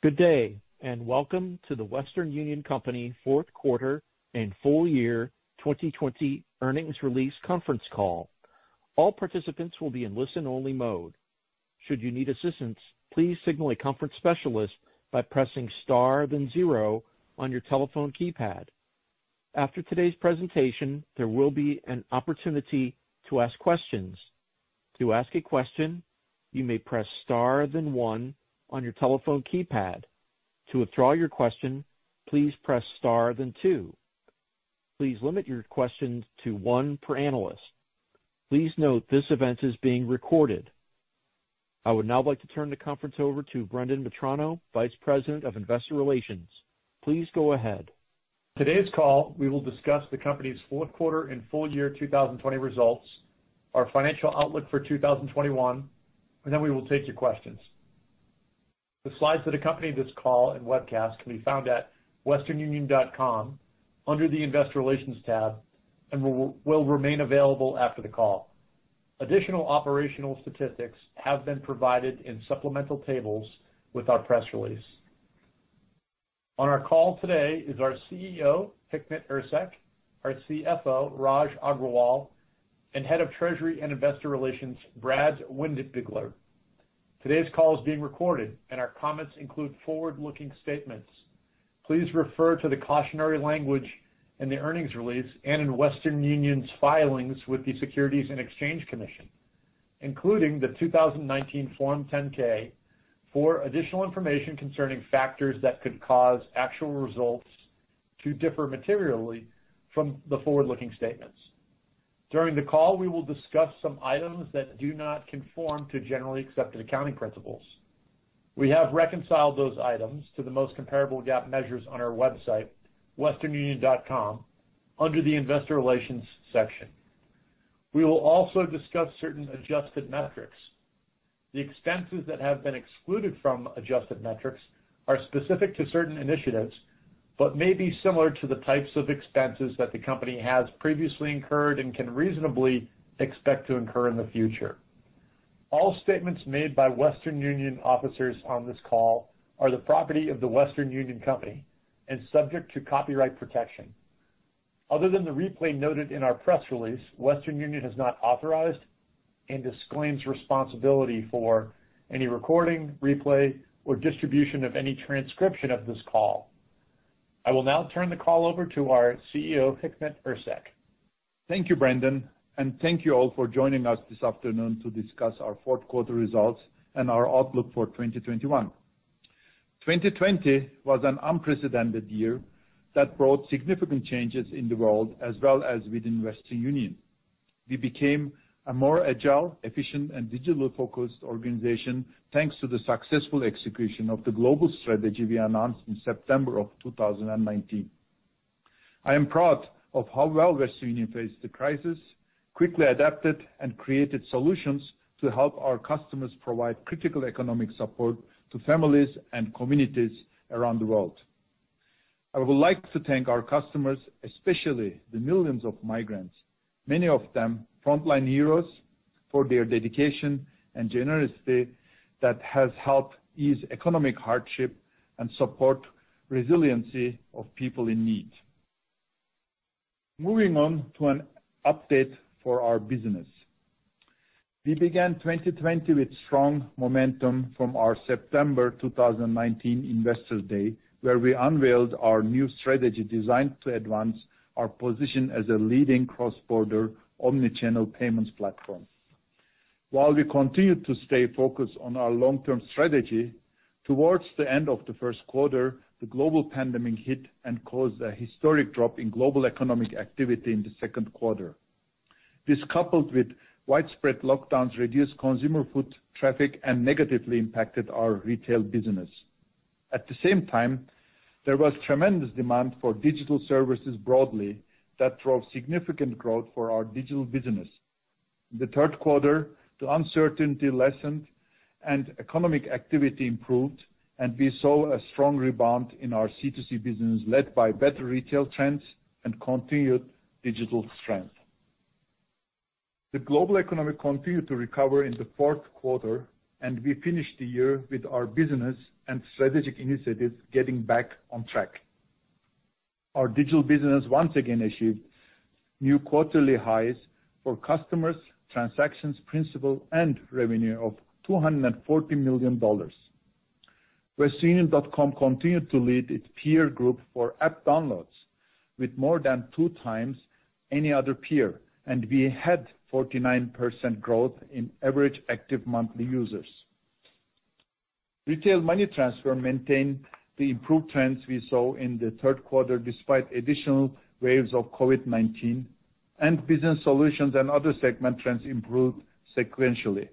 Good day. Welcome to The Western Union Company fourth quarter and full year 2020 earnings release conference call. All participants will be in listen-only mode. Should you need assistance, please signal a conference specialist by pressing star then zero on your telephone keypad. After today's presentation, there will be an opportunity to ask questions. To ask a question, you may press star then one on your telephone keypad. To withdraw your question, please press star then two. Please limit your questions to one per analyst. Please note this event is being recorded. I would now like to turn the conference over to Brendan Metrano, Vice President of Investor Relations. Please go ahead. Today's call, we will discuss the company's fourth quarter and full year 2020 results, our financial outlook for 2021, and then we will take your questions. The slides that accompany this call and webcast can be found at westernunion.com under the investor relations tab and will remain available after the call. Additional operational statistics have been provided in supplemental tables with our press release. On our call today is our CEO, Hikmet Ersek, our CFO, Raj Agrawal, and Head of Treasury and Investor Relations, Brad Windbigler. Today's call is being recorded and our comments include forward-looking statements. Please refer to the cautionary language in the earnings release and in Western Union's filings with the Securities and Exchange Commission, including the 2019 Form 10-K for additional information concerning factors that could cause actual results to differ materially from the forward-looking statements. During the call, we will discuss some items that do not conform to generally accepted accounting principles. We have reconciled those items to the most comparable GAAP measures on our website, westernunion.com, under the investor relations section. We will also discuss certain adjusted metrics. The expenses that have been excluded from adjusted metrics are specific to certain initiatives but may be similar to the types of expenses that the company has previously incurred and can reasonably expect to incur in the future. All statements made by Western Union officers on this call are the property of The Western Union Company and subject to copyright protection. Other than the replay noted in our press release, Western Union has not authorized and disclaims responsibility for any recording, replay, or distribution of any transcription of this call. I will now turn the call over to our CEO, Hikmet Ersek. Thank you, Brendan, thank you all for joining us this afternoon to discuss our fourth quarter results and our outlook for 2021. 2020 was an unprecedented year that brought significant changes in the world as well as within Western Union. We became a more agile, efficient, and digital-focused organization thanks to the successful execution of the global strategy we announced in September of 2019. I am proud of how well Western Union faced the crisis, quickly adapted, and created solutions to help our customers provide critical economic support to families and communities around the world. I would like to thank our customers, especially the millions of migrants, many of them frontline heroes, for their dedication and generosity that has helped ease economic hardship and support resiliency of people in need. Moving on to an update for our business. We began 2020 with strong momentum from our September 2019 Investor Day, where we unveiled our new strategy designed to advance our position as a leading cross-border omni-channel payments platform. While we continued to stay focused on our long-term strategy, towards the end of the first quarter, the global pandemic hit and caused a historic drop in global economic activity in the second quarter. This, coupled with widespread lockdowns, reduced consumer foot traffic and negatively impacted our retail business. At the same time, there was tremendous demand for digital services broadly that drove significant growth for our digital business. In the third quarter, the uncertainty lessened and economic activity improved, and we saw a strong rebound in our C2C business, led by better retail trends and continued digital strength. The global economy continued to recover in the fourth quarter, and we finished the year with our business and strategic initiatives getting back on track. Our digital business once again achieved new quarterly highs for customers, transactions, principal, and revenue of $240 million. westernunion.com continued to lead its peer group for app downloads with more than two times any other peer, and we had 49% growth in average active monthly users. Retail money transfer maintained the improved trends we saw in the third quarter, despite additional waves of COVID-19, and Business Solutions and other segment trends improved sequentially.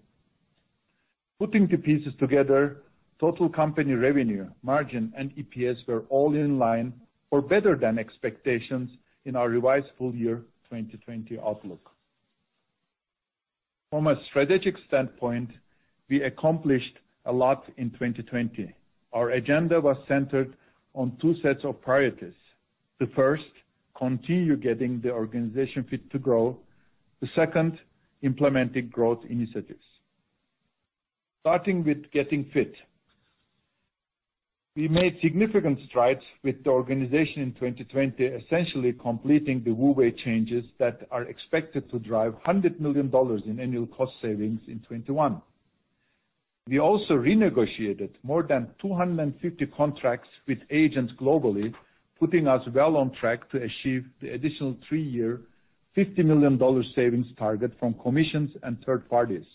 Putting the pieces together, total company revenue, margin, and EPS were all in line or better than expectations in our revised full year 2020 outlook. From a strategic standpoint, we accomplished a lot in 2020. Our agenda was centered on two sets of priorities. The first, continue getting the organization fit to grow. The second, implementing growth initiatives. Starting with getting fit. We made significant strides with the organization in 2020, essentially completing the WU Way changes that are expected to drive $100 million in annual cost savings in 2021. We also renegotiated more than 250 contracts with agents globally, putting us well on track to achieve the additional three-year $50 million savings target from commissions and third parties.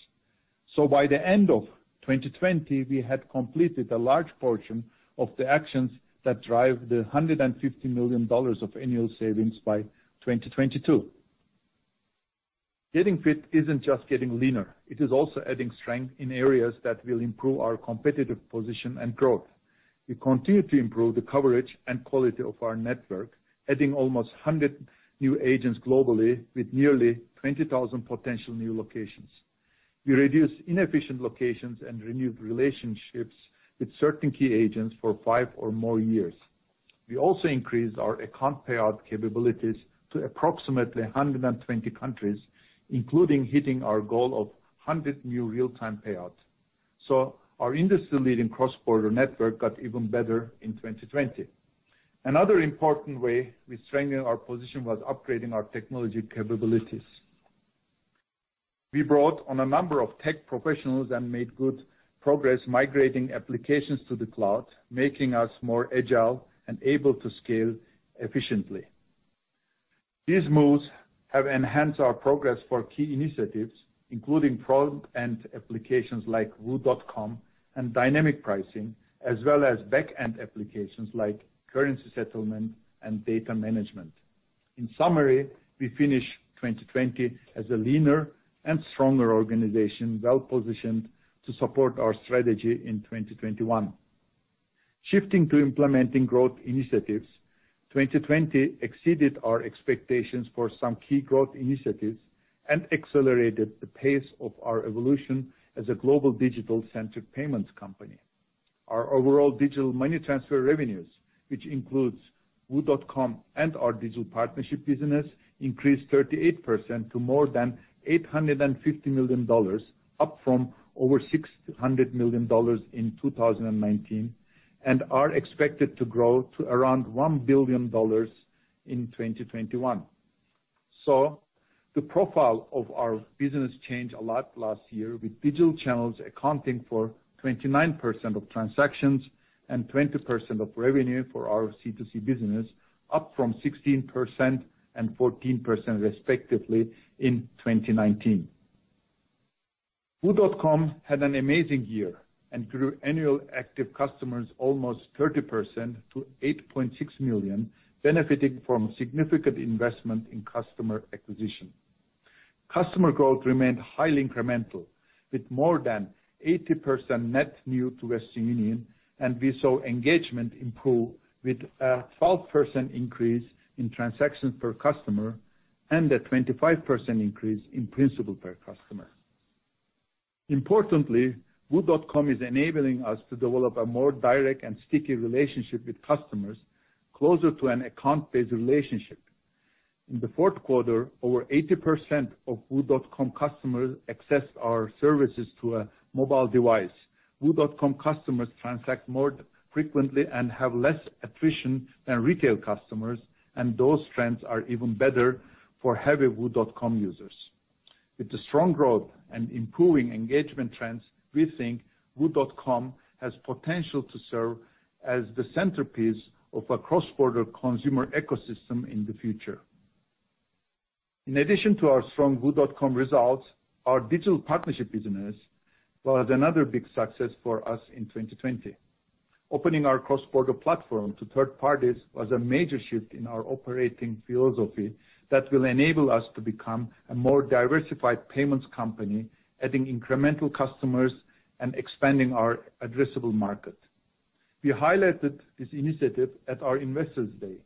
By the end of 2020, we had completed a large portion of the actions that drive the $150 million of annual savings by 2022. Getting fit isn't just getting leaner, it is also adding strength in areas that will improve our competitive position and growth. We continue to improve the coverage and quality of our network, adding almost 100 new agents globally with nearly 20,000 potential new locations. We reduced inefficient locations and renewed relationships with certain key agents for five or more years. We also increased our account payout capabilities to approximately 120 countries, including hitting our goal of 100 new real-time payouts. Our industry-leading cross-border network got even better in 2020. Another important way we strengthened our position was upgrading our technology capabilities. We brought on a number of tech professionals and made good progress migrating applications to the cloud, making us more agile and able to scale efficiently. These moves have enhanced our progress for key initiatives, including front-end applications like wu.com and dynamic pricing, as well as back-end applications like currency settlement and data management. In summary, we finish 2020 as a leaner and stronger organization, well-positioned to support our strategy in 2021. Shifting to implementing growth initiatives, 2020 exceeded our expectations for some key growth initiatives and accelerated the pace of our evolution as a global digital-centric payments company. Our overall digital money transfer revenues, which includes wu.com and our digital partnership business, increased 38% to more than $850 million, up from over $600 million in 2019, and are expected to grow to around $1 billion in 2021. The profile of our business changed a lot last year, with digital channels accounting for 29% of transactions and 20% of revenue for our C2C business, up from 16% and 14%, respectively, in 2019. wu.com had an amazing year and grew annual active customers almost 30% to 8.6 million, benefiting from significant investment in customer acquisition. Customer growth remained highly incremental, with more than 80% net new to Western Union. We saw engagement improve with a 12% increase in transactions per customer and a 25% increase in principal per customer. Importantly, wu.com is enabling us to develop a more direct and sticky relationship with customers closer to an account-based relationship. In the fourth quarter, over 80% of wu.com customers accessed our services through a mobile device. Wu.com customers transact more frequently and have less attrition than retail customers, and those trends are even better for heavy wu.com users. With the strong growth and improving engagement trends, we think wu.com has potential to serve as the centerpiece of a cross-border consumer ecosystem in the future. In addition to our strong wu.com results, our digital partnership business was another big success for us in 2020. Opening our cross-border platform to third parties was a major shift in our operating philosophy that will enable us to become a more diversified payments company, adding incremental customers and expanding our addressable market. We highlighted this initiative at our Investors Day.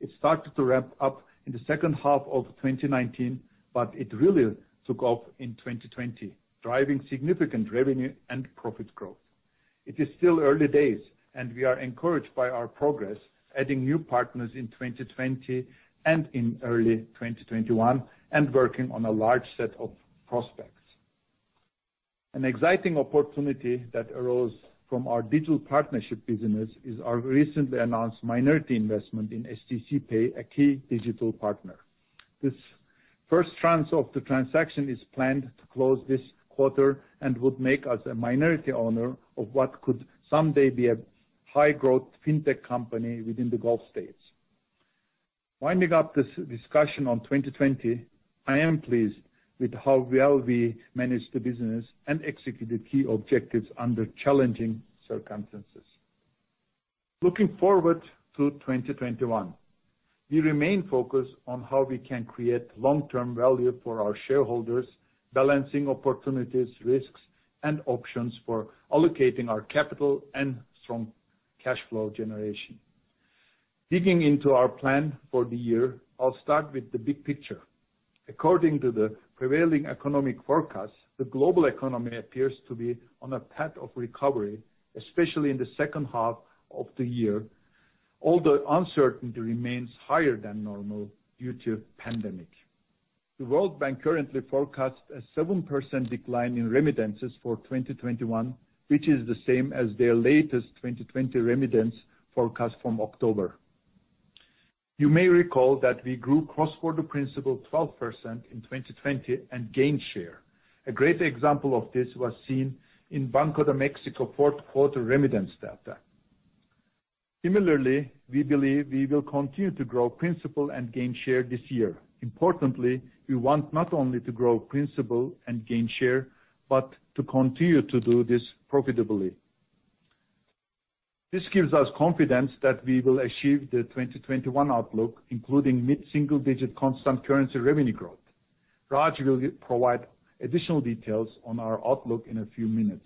It started to ramp up in the second half of 2019, but it really took off in 2020, driving significant revenue and profit growth. It is still early days, and we are encouraged by our progress, adding new partners in 2020 and in early 2021, and working on a large set of prospects. An exciting opportunity that arose from our digital partnership business is our recently announced minority investment in stc pay, a key digital partner. This first tranche of the transaction is planned to close this quarter and would make us a minority owner of what could someday be a high-growth fintech company within the Gulf States. Winding up this discussion on 2020, I am pleased with how well we managed the business and executed key objectives under challenging circumstances. Looking forward to 2021. We remain focused on how we can create long-term value for our shareholders, balancing opportunities, risks, and options for allocating our capital and strong cash flow generation. Digging into our plan for the year, I'll start with the big picture. According to the prevailing economic forecast, the global economy appears to be on a path of recovery, especially in the second half of the year. Although uncertainty remains higher than normal due to the pandemic. The World Bank currently forecasts a 7% decline in remittances for 2021, which is the same as their latest 2020 remittance forecast from October. You may recall that we grew cross-border principal 12% in 2020 and gained share. A great example of this was seen in Banco de México fourth quarter remittance data. We believe we will continue to grow principal and gain share this year. We want not only to grow principal and gain share, but to continue to do this profitably. This gives us confidence that we will achieve the 2021 outlook, including mid-single digit constant currency revenue growth. Raj will provide additional details on our outlook in a few minutes.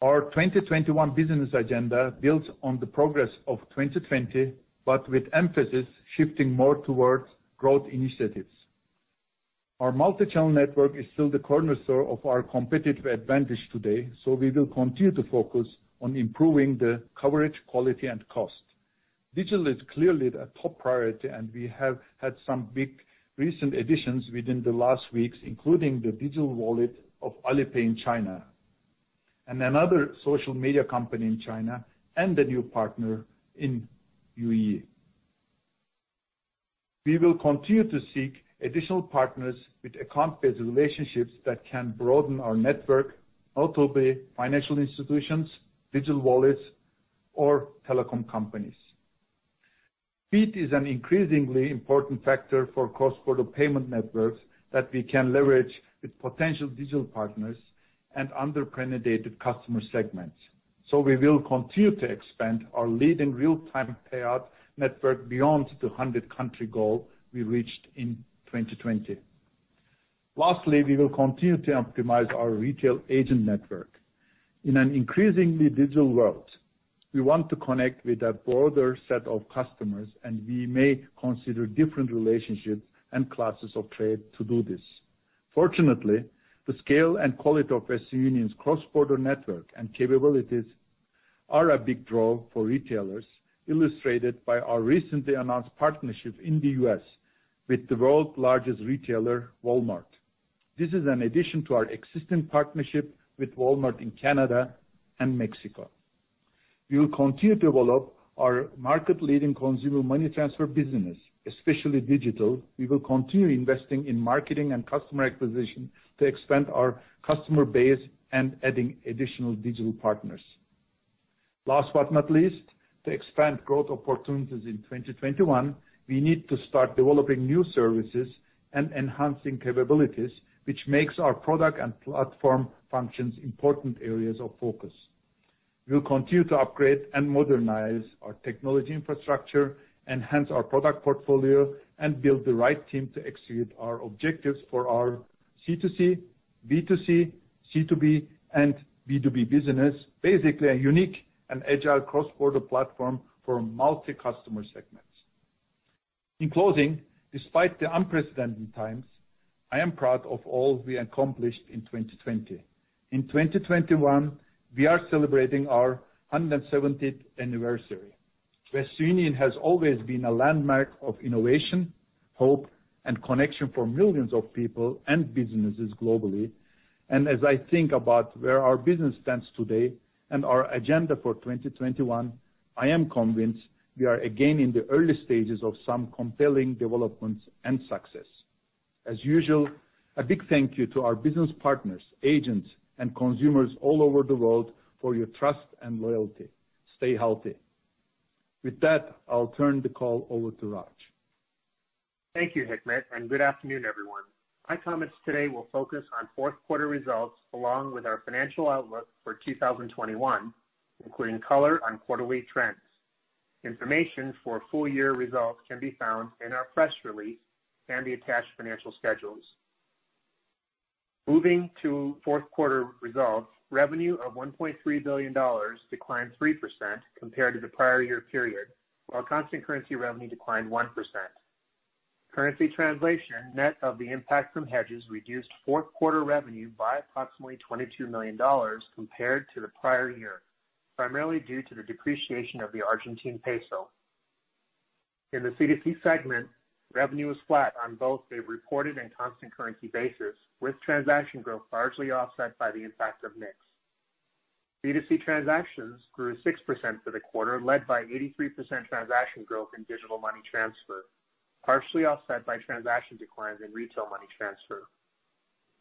Our 2021 business agenda builds on the progress of 2020, but with emphasis shifting more towards growth initiatives. Our multi-channel network is still the cornerstone of our competitive advantage today. We will continue to focus on improving the coverage, quality and cost. Digital is clearly a top priority, and we have had some big recent additions within the last weeks, including the digital wallet of Alipay in China. Another social media company in China and a new partner in UAE. We will continue to seek additional partners with account-based relationships that can broaden our network, notably financial institutions, digital wallets, or telecom companies. Speed is an increasingly important factor for cross-border payment networks that we can leverage with potential digital partners and underpenetrated customer segments. We will continue to expand our leading real-time payout network beyond the 100-country goal we reached in 2020. Lastly, we will continue to optimize our retail agent network. In an increasingly digital world, we want to connect with a broader set of customers, and we may consider different relationships and classes of trade to do this. Fortunately, the scale and quality of Western Union's cross-border network and capabilities are a big draw for retailers, illustrated by our recently announced partnership in the U.S. with the world's largest retailer, Walmart. This is an addition to our existing partnership with Walmart in Canada and Mexico. We will continue to develop our market-leading consumer money transfer business, especially digital. We will continue investing in marketing and customer acquisition to expand our customer base and adding additional digital partners. Last but not least, to expand growth opportunities in 2021, we need to start developing new services and enhancing capabilities, which makes our product and platform functions important areas of focus. We'll continue to upgrade and modernize our technology infrastructure, enhance our product portfolio, and build the right team to execute our objectives for our C2C, B2C, C2B, and B2B business. Basically, a unique and agile cross-border platform for multi-customer segments. In closing, despite the unprecedented times, I am proud of all we accomplished in 2020. In 2021, we are celebrating our 170th anniversary. Western Union has always been a landmark of innovation, hope, and connection for millions of people and businesses globally. As I think about where our business stands today and our agenda for 2021, I am convinced we are again in the early stages of some compelling developments and success. As usual, a big thank you to our business partners, agents, and consumers all over the world for your trust and loyalty. Stay healthy. With that, I'll turn the call over to Raj. Thank you, Hikmet. Good afternoon, everyone. My comments today will focus on fourth quarter results along with our financial outlook for 2021, including color on quarterly trends. Information for full year results can be found in our press release and the attached financial schedules. Moving to fourth quarter results, revenue of $1.3 billion declined 3% compared to the prior year period, while constant currency revenue declined 1%. Currency translation, net of the impact from hedges, reduced fourth quarter revenue by approximately $22 million compared to the prior year, primarily due to the depreciation of the Argentine peso. In the C2C segment, revenue was flat on both a reported and constant currency basis, with transaction growth largely offset by the impact of mix. C2C transactions grew 6% for the quarter, led by 83% transaction growth in digital money transfer, partially offset by transaction declines in retail money transfer.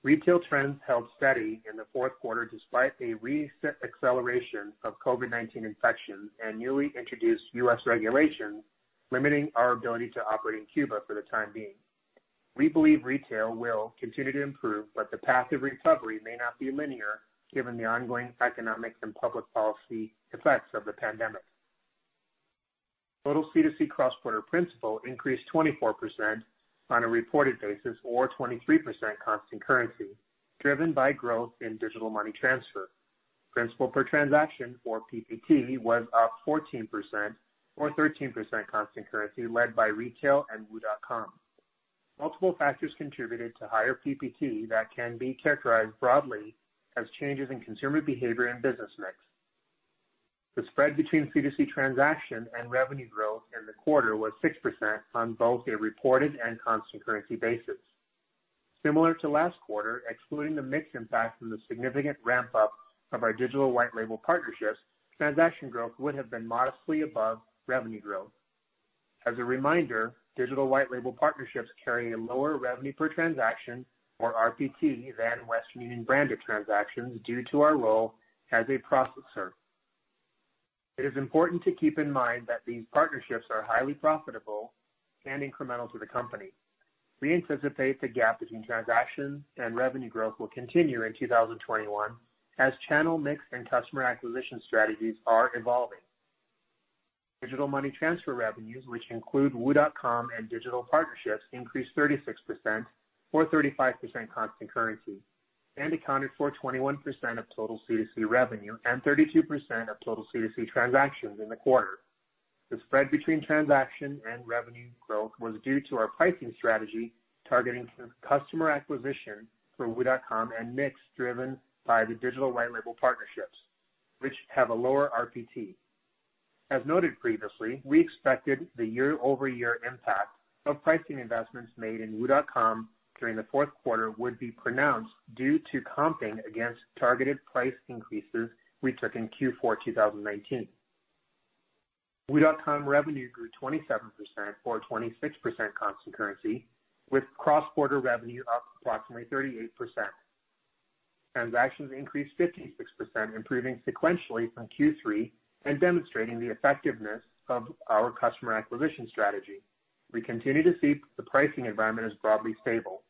Retail trends held steady in the fourth quarter despite a reset acceleration of COVID-19 infections and newly introduced U.S. regulations limiting our ability to operate in Cuba for the time being. We believe retail will continue to improve, but the path of recovery may not be linear given the ongoing economic and public policy effects of the pandemic. Total C2C cross-border principal increased 24% on a reported basis or 23% constant currency, driven by growth in digital money transfer. Principal per transaction, or PPT, was up 14%, or 13% constant currency, led by retail and wu.com. Multiple factors contributed to higher PPT that can be characterized broadly as changes in consumer behavior and business mix. The spread between C2C transaction and revenue growth in the quarter was 6% on both a reported and constant currency basis. Similar to last quarter, excluding the mix impact from the significant ramp-up of our digital white label partnerships, transaction growth would have been modestly above revenue growth. As a reminder, digital white label partnerships carry a lower revenue per transaction, or RPT, than Western Union branded transactions due to our role as a processor. It is important to keep in mind that these partnerships are highly profitable and incremental to the company. We anticipate the gap between transaction and revenue growth will continue in 2021 as channel mix and customer acquisition strategies are evolving. Digital money transfer revenues, which include wu.com and digital partnerships, increased 36%, or 35% constant currency, and accounted for 21% of total C2C revenue and 32% of total C2C transactions in the quarter. The spread between transaction and revenue growth was due to our pricing strategy targeting customer acquisition for wu.com and mix driven by the digital white label partnerships, which have a lower RPT. As noted previously, we expected the year-over-year impact of pricing investments made in wu.com during the fourth quarter would be pronounced due to comping against targeted price increases we took in Q4 2019. Wu.com revenue grew 27%, or 26% constant currency, with cross-border revenue up approximately 38%. Transactions increased 56%, improving sequentially from Q3 and demonstrating the effectiveness of our customer acquisition strategy. We continue to see the pricing environment as broadly stable.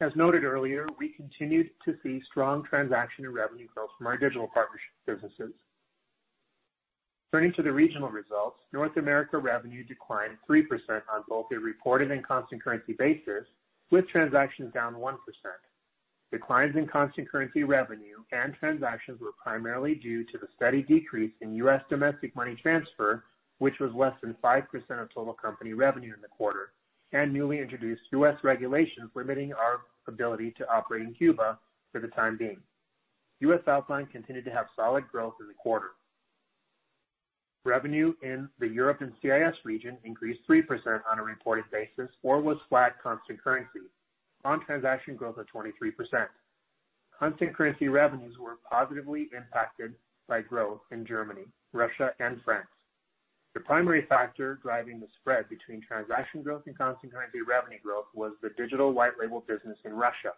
As noted earlier, we continued to see strong transaction and revenue growth from our digital partnership businesses. Turning to the regional results, North America revenue declined 3% on both a reported and constant currency basis, with transactions down 1%. Declines in constant currency revenue and transactions were primarily due to the steady decrease in U.S. domestic money transfer, which was less than 5% of total company revenue in the quarter, and newly introduced U.S. regulations limiting our ability to operate in Cuba for the time being. U.S. offline continued to have solid growth in the quarter. Revenue in the Europe and CIS region increased 3% on a reported basis, or was flat constant currency on transaction growth of 23%. Constant currency revenues were positively impacted by growth in Germany, Russia and France. The primary factor driving the spread between transaction growth and constant currency revenue growth was the digital white label business in Russia.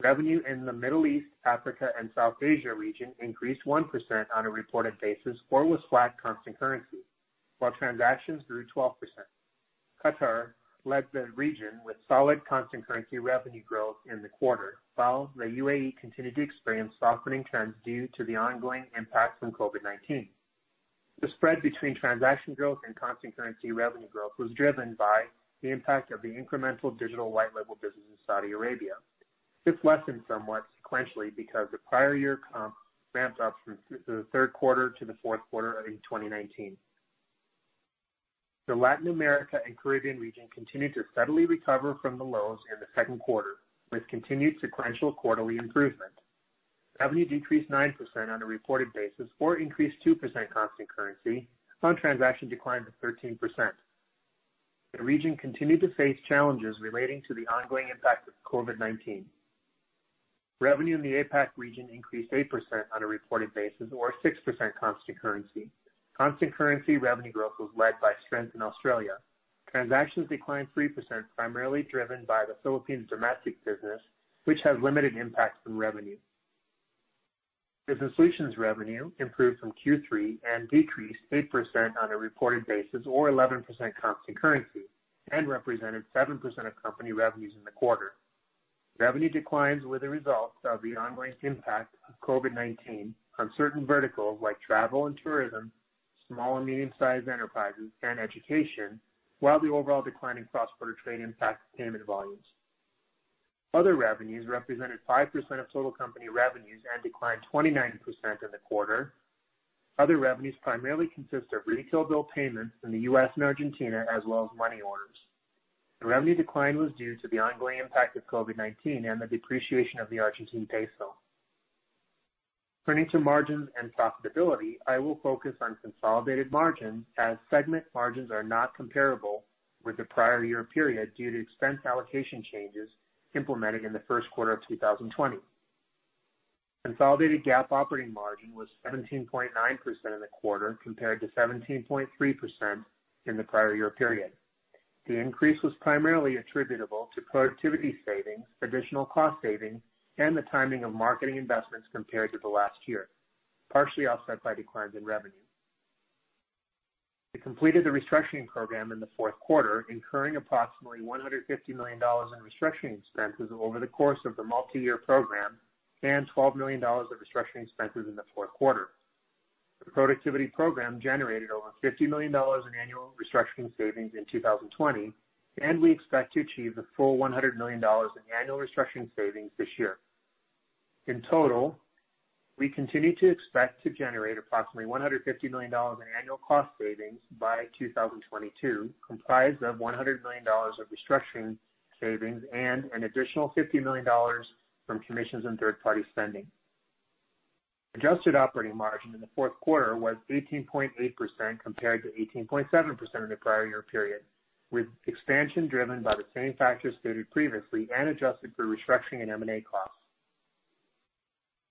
Revenue in the Middle East, Africa and South Asia region increased 1% on a reported basis or was flat constant currency, while transactions grew 12%. Qatar led the region with solid constant currency revenue growth in the quarter, while the UAE continued to experience softening trends due to the ongoing impact from COVID-19. The spread between transaction growth and constant currency revenue growth was driven by the impact of the incremental digital white label business in Saudi Arabia. This lessened somewhat sequentially because the prior year comp ramped up from the third quarter to the fourth quarter of 2019. The Latin America and Caribbean region continued to steadily recover from the lows in the second quarter, with continued sequential quarterly improvement. Revenue decreased 9% on a reported basis or increased 2% constant currency on transaction decline to 13%. The region continued to face challenges relating to the ongoing impact of COVID-19. Revenue in the APAC region increased 8% on a reported basis or 6% constant currency. Constant currency revenue growth was led by strength in Australia. Transactions declined 3%, primarily driven by the Philippines domestic business, which had limited impact from revenue. Business solutions revenue improved from Q3 and decreased 8% on a reported basis or 11% constant currency and represented 7% of company revenues in the quarter. Revenue declines were the result of the ongoing impact of COVID-19 on certain verticals like travel and tourism, small and medium-sized enterprises and education, while the overall decline in cross-border trade impacted payment volumes. Other revenues represented 5% of total company revenues and declined 29% in the quarter. Other revenues primarily consist of retail bill payments in the U.S. and Argentina, as well as money orders. The revenue decline was due to the ongoing impact of COVID-19 and the depreciation of the Argentine peso. Turning to margins and profitability, I will focus on consolidated margins as segment margins are not comparable with the prior year period due to expense allocation changes implemented in the first quarter of 2020. Consolidated GAAP operating margin was 17.9% in the quarter compared to 17.3% in the prior year period. The increase was primarily attributable to productivity savings, additional cost savings, and the timing of marketing investments compared to the last year, partially offset by declines in revenue. We completed the restructuring program in the fourth quarter, incurring approximately $150 million in restructuring expenses over the course of the multi-year program and $12 million of restructuring expenses in the fourth quarter. The productivity program generated over $50 million in annual restructuring savings in 2020. We expect to achieve the full $100 million in annual restructuring savings this year. In total, we continue to expect to generate approximately $150 million in annual cost savings by 2022, comprised of $100 million of restructuring savings and an additional $50 million from commissions and third-party spending. Adjusted operating margin in the fourth quarter was 18.8% compared to 18.7% in the prior year period, with expansion driven by the same factors stated previously and adjusted for restructuring and M&A costs.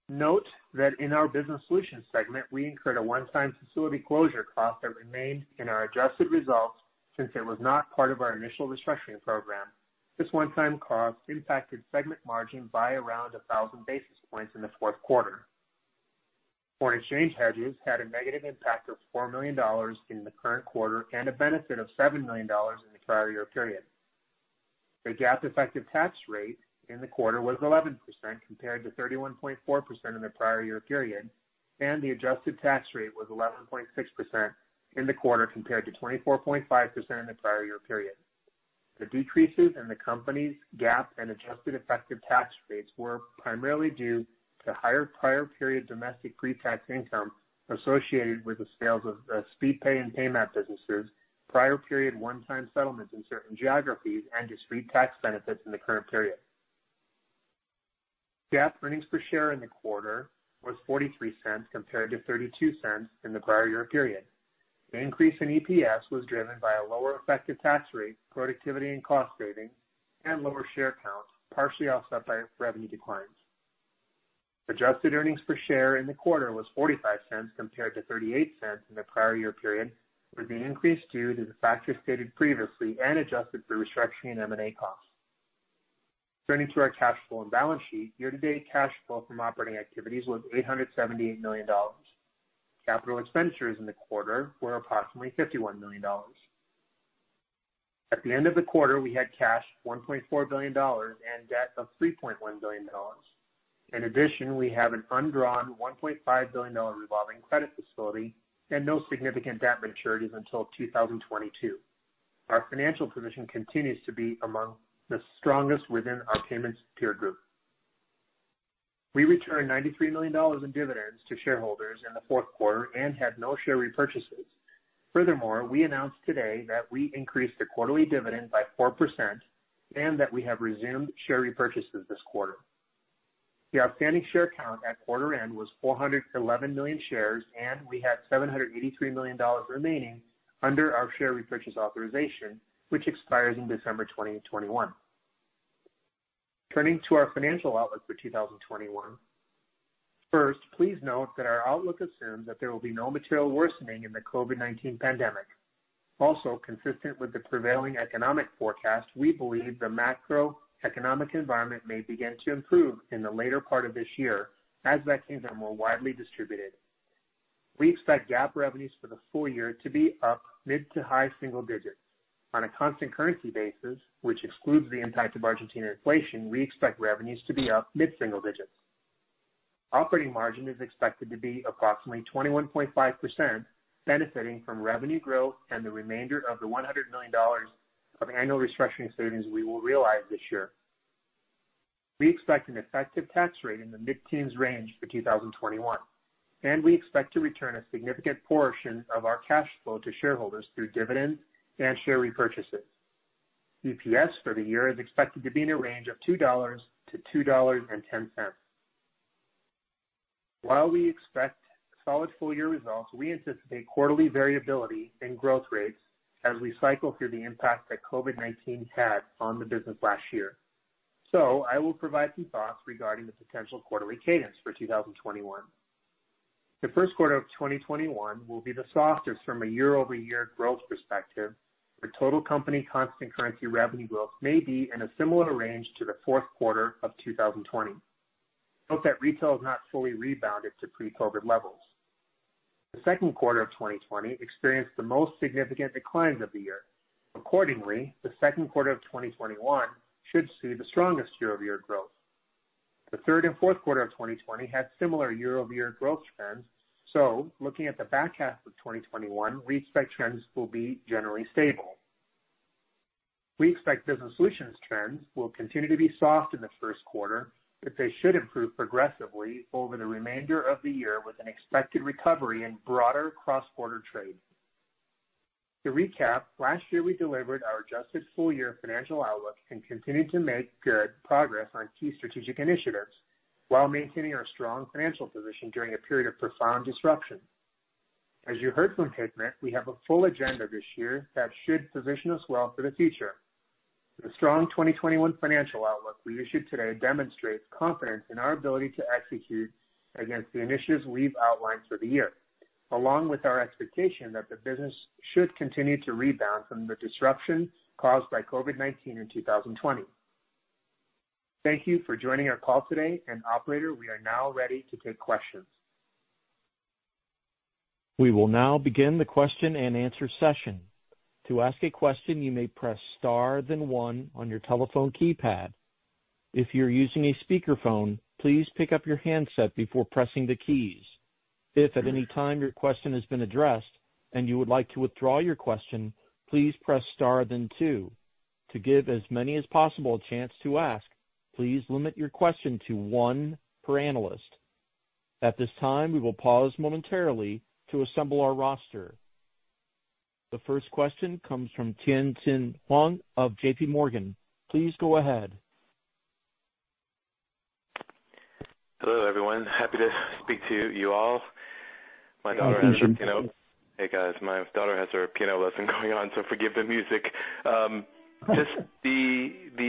Note that in our Business Solutions segment, we incurred a one-time facility closure cost that remained in our adjusted results since it was not part of our initial restructuring program. This one-time cost impacted segment margin by around 1,000 basis points in the fourth quarter. Foreign exchange hedges had a negative impact of $4 million in the current quarter and a benefit of $7 million in the prior year period. The GAAP effective tax rate in the quarter was 11% compared to 31.4% in the prior year period, and the adjusted tax rate was 11.6% in the quarter compared to 24.5% in the prior year period. The decreases in the company's GAAP and adjusted effective tax rates were primarily due to higher prior period domestic pre-tax income associated with the sales of Speedpay and Paymap businesses, prior period one-time settlements in certain geographies and discrete tax benefits in the current period. GAAP earnings per share in the quarter was $0.43 compared to $0.32 in the prior year period. The increase in EPS was driven by a lower effective tax rate, productivity and cost saving, and lower share count, partially offset by revenue declines. Adjusted earnings per share in the quarter was $0.45 compared to $0.38 in the prior year period, with the increase due to the factors stated previously and adjusted for restructuring and M&A costs. Turning to our cash flow and balance sheet, year-to-date cash flow from operating activities was $878 million. Capital expenditures in the quarter were approximately $51 million. At the end of the quarter, we had cash $1.4 billion and debt of $3.1 billion. In addition, we have an undrawn $1.5 billion revolving credit facility and no significant debt maturities until 2022. Our financial position continues to be among the strongest within our payments peer group. We returned $93 million in dividends to shareholders in the fourth quarter and had no share repurchases. Furthermore, we announced today that we increased the quarterly dividend by 4% and that we have resumed share repurchases this quarter. The outstanding share count at quarter end was 411 million shares, and we had $783 million remaining under our share repurchase authorization, which expires in December 2021. Turning to our financial outlook for 2021. First, please note that our outlook assumes that there will be no material worsening in the COVID-19 pandemic. Consistent with the prevailing economic forecast, we believe the macroeconomic environment may begin to improve in the later part of this year as vaccines are more widely distributed. We expect GAAP revenues for the full year to be up mid to high single digits. On a constant currency basis, which excludes the impact of Argentine inflation, we expect revenues to be up mid-single digits. Operating margin is expected to be approximately 21.5%, benefiting from revenue growth and the remainder of the $100 million of annual restructuring savings we will realize this year. We expect an effective tax rate in the mid-teens range for 2021, and we expect to return a significant portion of our cash flow to shareholders through dividends and share repurchases. EPS for the year is expected to be in a range of $2-$2.10. While we expect solid full-year results, we anticipate quarterly variability in growth rates as we cycle through the impact that COVID-19 had on the business last year. I will provide some thoughts regarding the potential quarterly cadence for 2021. The first quarter of 2021 will be the softest from a year-over-year growth perspective. The total company constant currency revenue growth may be in a similar range to the fourth quarter of 2020. Note that retail has not fully rebounded to pre-COVID levels. The second quarter of 2020 experienced the most significant declines of the year. Accordingly, the second quarter of 2021 should see the strongest year-over-year growth. The third and fourth quarter of 2020 had similar year-over-year growth trends. Looking at the back half of 2021, we expect trends will be generally stable. We expect Business Solutions trends will continue to be soft in the first quarter. They should improve progressively over the remainder of the year with an expected recovery in broader cross-border trade. To recap, last year, we delivered our adjusted full-year financial outlook and continued to make good progress on key strategic initiatives while maintaining our strong financial position during a period of profound disruption. As you heard from Hikmet, we have a full agenda this year that should position us well for the future. The strong 2021 financial outlook we issued today demonstrates confidence in our ability to execute against the initiatives we've outlined for the year, along with our expectation that the business should continue to rebound from the disruption caused by COVID-19 in 2020. Thank you for joining our call today, and operator, we are now ready to take questions. The first question comes from Tien-Tsin Huang of JPMorgan. Please go ahead. Hello, everyone. Happy to speak to you all. Hey, guys. My daughter has her piano lesson going on, so forgive the music. Just the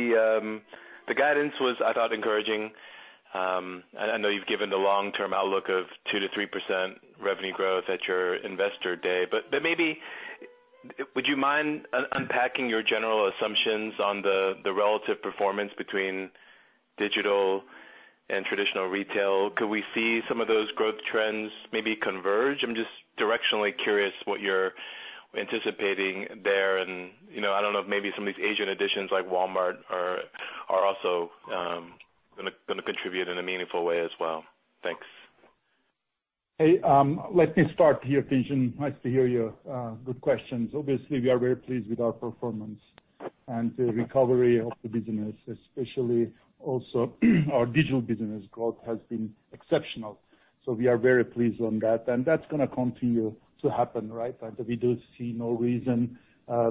guidance was, I thought, encouraging. I know you've given the long-term outlook of 2%-3% revenue growth at your investor day, but maybe would you mind unpacking your general assumptions on the relative performance between digital and traditional retail? Could we see some of those growth trends maybe converge? I'm just directionally curious what you're anticipating there. I don't know if maybe some of these agent additions like Walmart are also going to contribute in a meaningful way as well. Thanks. Hey, let me start here, Tien-Tsin. Nice to hear your good questions. Obviously, we are very pleased with our performance and the recovery of the business, especially also our digital business growth has been exceptional. We are very pleased on that. That's going to continue to happen, right? We do see no reason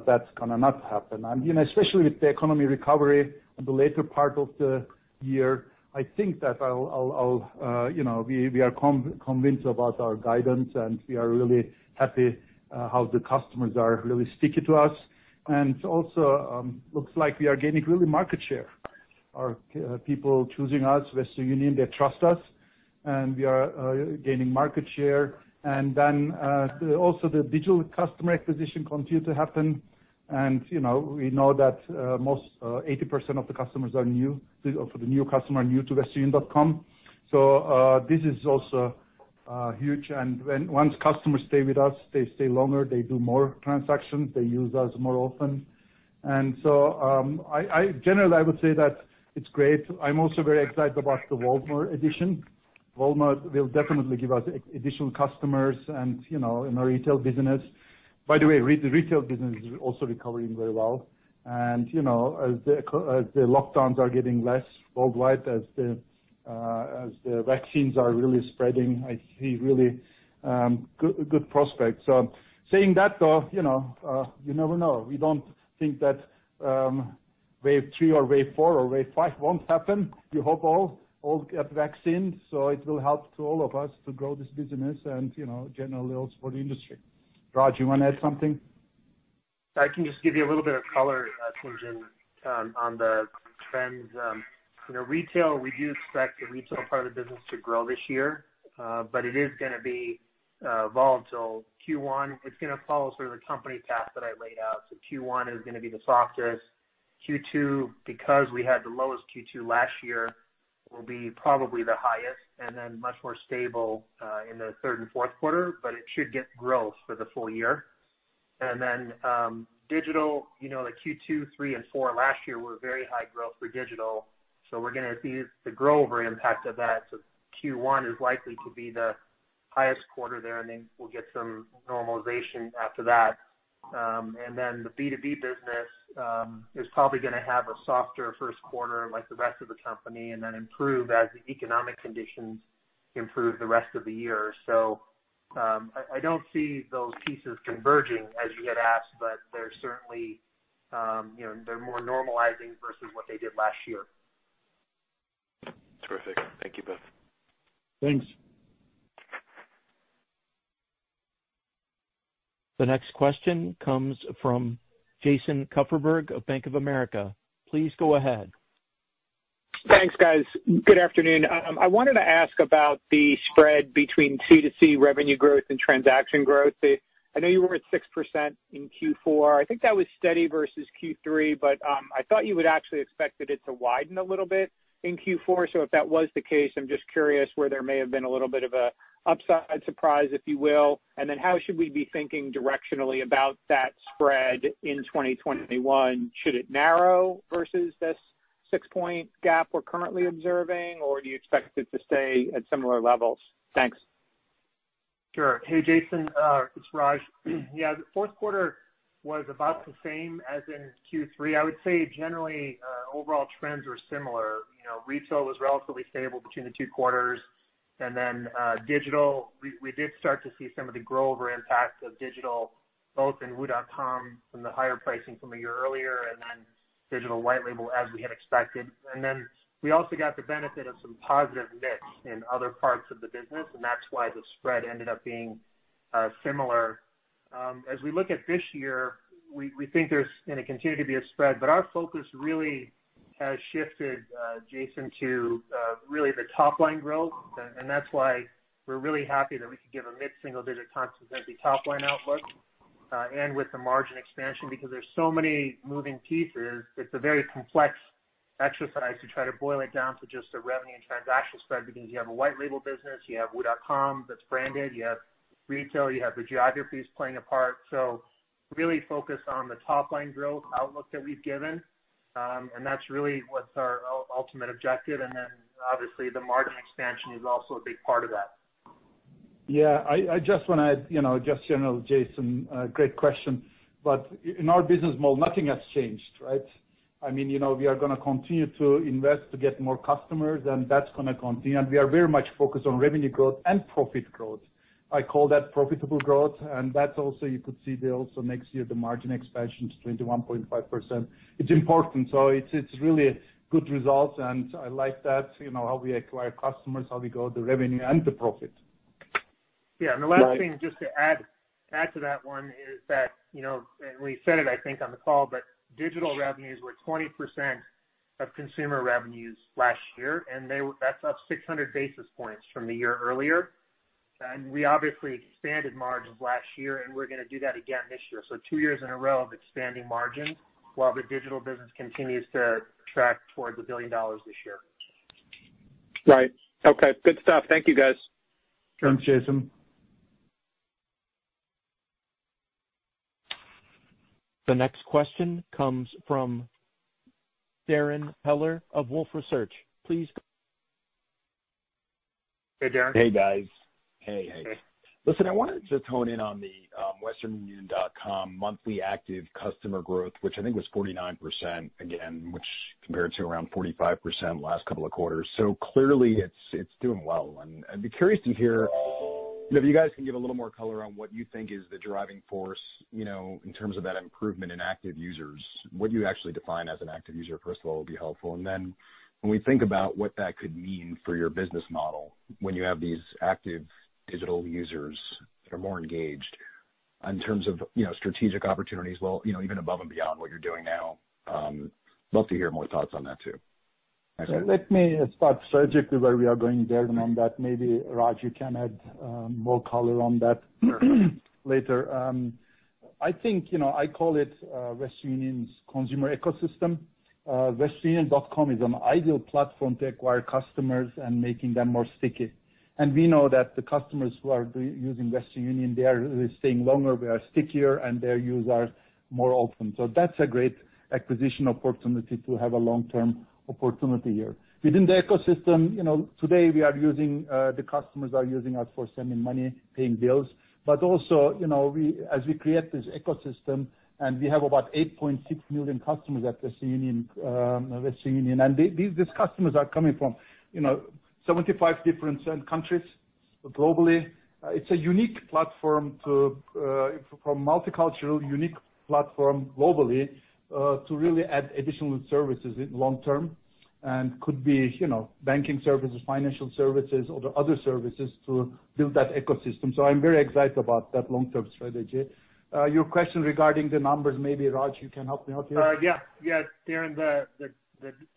that's going to not happen. Especially with the economy recovery in the later part of the year, I think that we are convinced about our guidance, and we are really happy how the customers are really sticking to us. Also looks like we are gaining really market share. Our people choosing us, Western Union, they trust us, and we are gaining market share. Also the digital customer acquisition continue to happen. We know that 80% of the customers are new to westernunion.com. This is also huge. Once customers stay with us, they stay longer, they do more transactions, they use us more often. Generally, I would say that it's great. I'm also very excited about the Walmart addition. Walmart will definitely give us additional customers in our retail business. By the way, retail business is also recovering very well. As the lockdowns are getting less worldwide, as the vaccines are really spreading, I see really good prospects. Saying that, though, you never know. We don't think that wave three or wave four or wave five won't happen. We hope all get vaccine, so it will help to all of us to grow this business and generally also for the industry. Raj, you want to add something? I can just give you a little bit of color, Tien-Tsin, on the trends. In retail, we do expect the retail part of the business to grow this year but it is going to be volatile. Q1, it's going to follow sort of the company path that I laid out. Q1 is going to be the softest. Q2, because we had the lowest Q2 last year, will be probably the highest, and then much more stable in the third and fourth quarter, but it should get growth for the full year. Digital, the Q2, three, and four last year were very high growth for digital. We're going to see the grow over impact of that. Q1 is likely to be the highest quarter there, and then we'll get some normalization after that. The B2B business is probably going to have a softer first quarter like the rest of the company, and then improve as the economic conditions improve the rest of the year. I don't see those pieces converging as you had asked, but they're more normalizing versus what they did last year. Terrific. Thank you both. Thanks. The next question comes from Jason Kupferberg of Bank of America. Please go ahead. Thanks, guys. Good afternoon. I wanted to ask about the spread between C2C revenue growth and transaction growth. I know you were at 6% in Q4. I think that was steady versus Q3, but I thought you would actually expected it to widen a little bit in Q4. If that was the case, I'm just curious where there may have been a little bit of a upside surprise, if you will. How should we be thinking directionally about that spread in 2021? Should it narrow versus this six-point gap we're currently observing, or do you expect it to stay at similar levels? Thanks. Sure. Hey, Jason, it's Raj. Yeah, the fourth quarter was about the same as in Q3. I would say generally, overall trends were similar. Retail was relatively stable between the two quarters. Then digital, we did start to see some of the grow over impact of digital, both in wu.com from the higher pricing from a year earlier, and then digital white label as we had expected. Then we also got the benefit of some positive mix in other parts of the business, that's why the spread ended up being similar. As we look at this year, we think there's going to continue to be a spread, our focus really has shifted, Jason, to really the top-line growth. That's why we're really happy that we could give a mid-single-digit constant currency top-line outlook. With the margin expansion, because there's so many moving pieces, it's a very complex exercise to try to boil it down to just a revenue and transaction spread because you have a white label business, you have wu.com that's branded, you have retail, you have the geographies playing a part. Really focused on the top-line growth outlook that we've given. And that's really what's our ultimate objective. Obviously the margin expansion is also a big part of that. Yeah. I just want to add, just general, Jason, great question, but in our business model, nothing has changed, right? We are going to continue to invest to get more customers, and that's going to continue. We are very much focused on revenue growth and profit growth. I call that profitable growth. That also you could see there also next year the margin expansion is 21.5%. It's important. It's really good results and I like that, how we acquire customers, how we grow the revenue and the profit. Yeah. The last thing just to add to that one is that, and we said it I think on the call, but digital revenues were 20% of consumer revenues last year, and that's up 600 basis points from the year earlier. We obviously expanded margins last year, and we're going to do that again this year. Two years in a row of expanding margins while the digital business continues to track towards $1 billion this year. Right. Okay. Good stuff. Thank you, guys. Thanks, Jason. The next question comes from Darrin Peller of Wolfe Research. Hey, Darrin. Hey, guys. Hey. Hey. Listen, I wanted to hone in on the westernunion.com monthly active customer growth, which I think was 49% again, which compared to around 45% last couple of quarters. Clearly it's doing well. I'd be curious to hear if you guys can give a little more color on what you think is the driving force in terms of that improvement in active users. What you actually define as an active user, first of all, would be helpful. When we think about what that could mean for your business model, when you have these active digital users that are more engaged in terms of strategic opportunities, well, even above and beyond what you're doing now. I'd love to hear more thoughts on that too. Let me start strategically where we are going, Darrin, on that. Maybe Raj you can add more color on that later. I call it Western Union's consumer ecosystem. westernunion.com is an ideal platform to acquire customers and making them stickier. We know that the customers who are using Western Union, they are staying longer, they are stickier, and their use are more often. That's a great acquisition opportunity to have a long-term opportunity here. Within the ecosystem, today the customers are using us for sending money, paying bills. Also, as we create this ecosystem and we have about 8.6 million customers at Western Union, and these customers are coming from 75 different countries globally. It's a unique platform from multicultural, unique platform globally, to really add additional services in long term and could be banking services, financial services, or other services to build that ecosystem. I'm very excited about that long-term strategy. Your question regarding the numbers, maybe Raj, you can help me out here. Yeah. Darrin,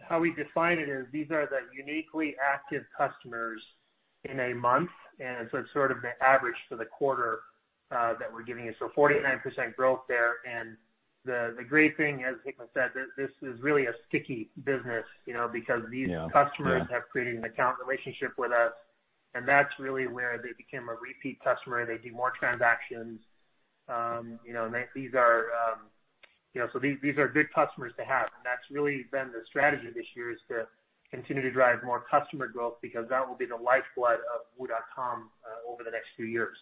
how we define it is these are the uniquely active customers in a month, and so it's sort of the average for the quarter that we're giving you. 49% growth there. The great thing, as Hikmet said, this is really a sticky business. Yeah. The customer have created an account relationship with us, and that's really where they become a repeat customer, they do more transactions. These are good customers to have, and that's really been the strategy this year is to continue to drive more customer growth because that will be the lifeblood of wu.com over the next few years.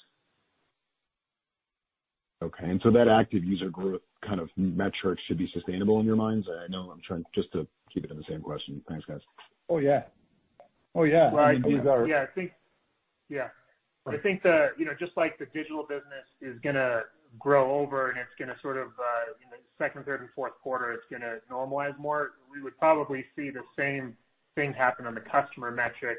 Okay. That active user growth kind of metric should be sustainable in your minds? I know I'm trying just to keep it in the same question. Thanks, guys. Oh, yeah. And these are- Yeah. I think just like the digital business is going to grow over and it's going to sort of in the second, third, and fourth quarter, it's going to normalize more. We would probably see the same thing happen on the customer metric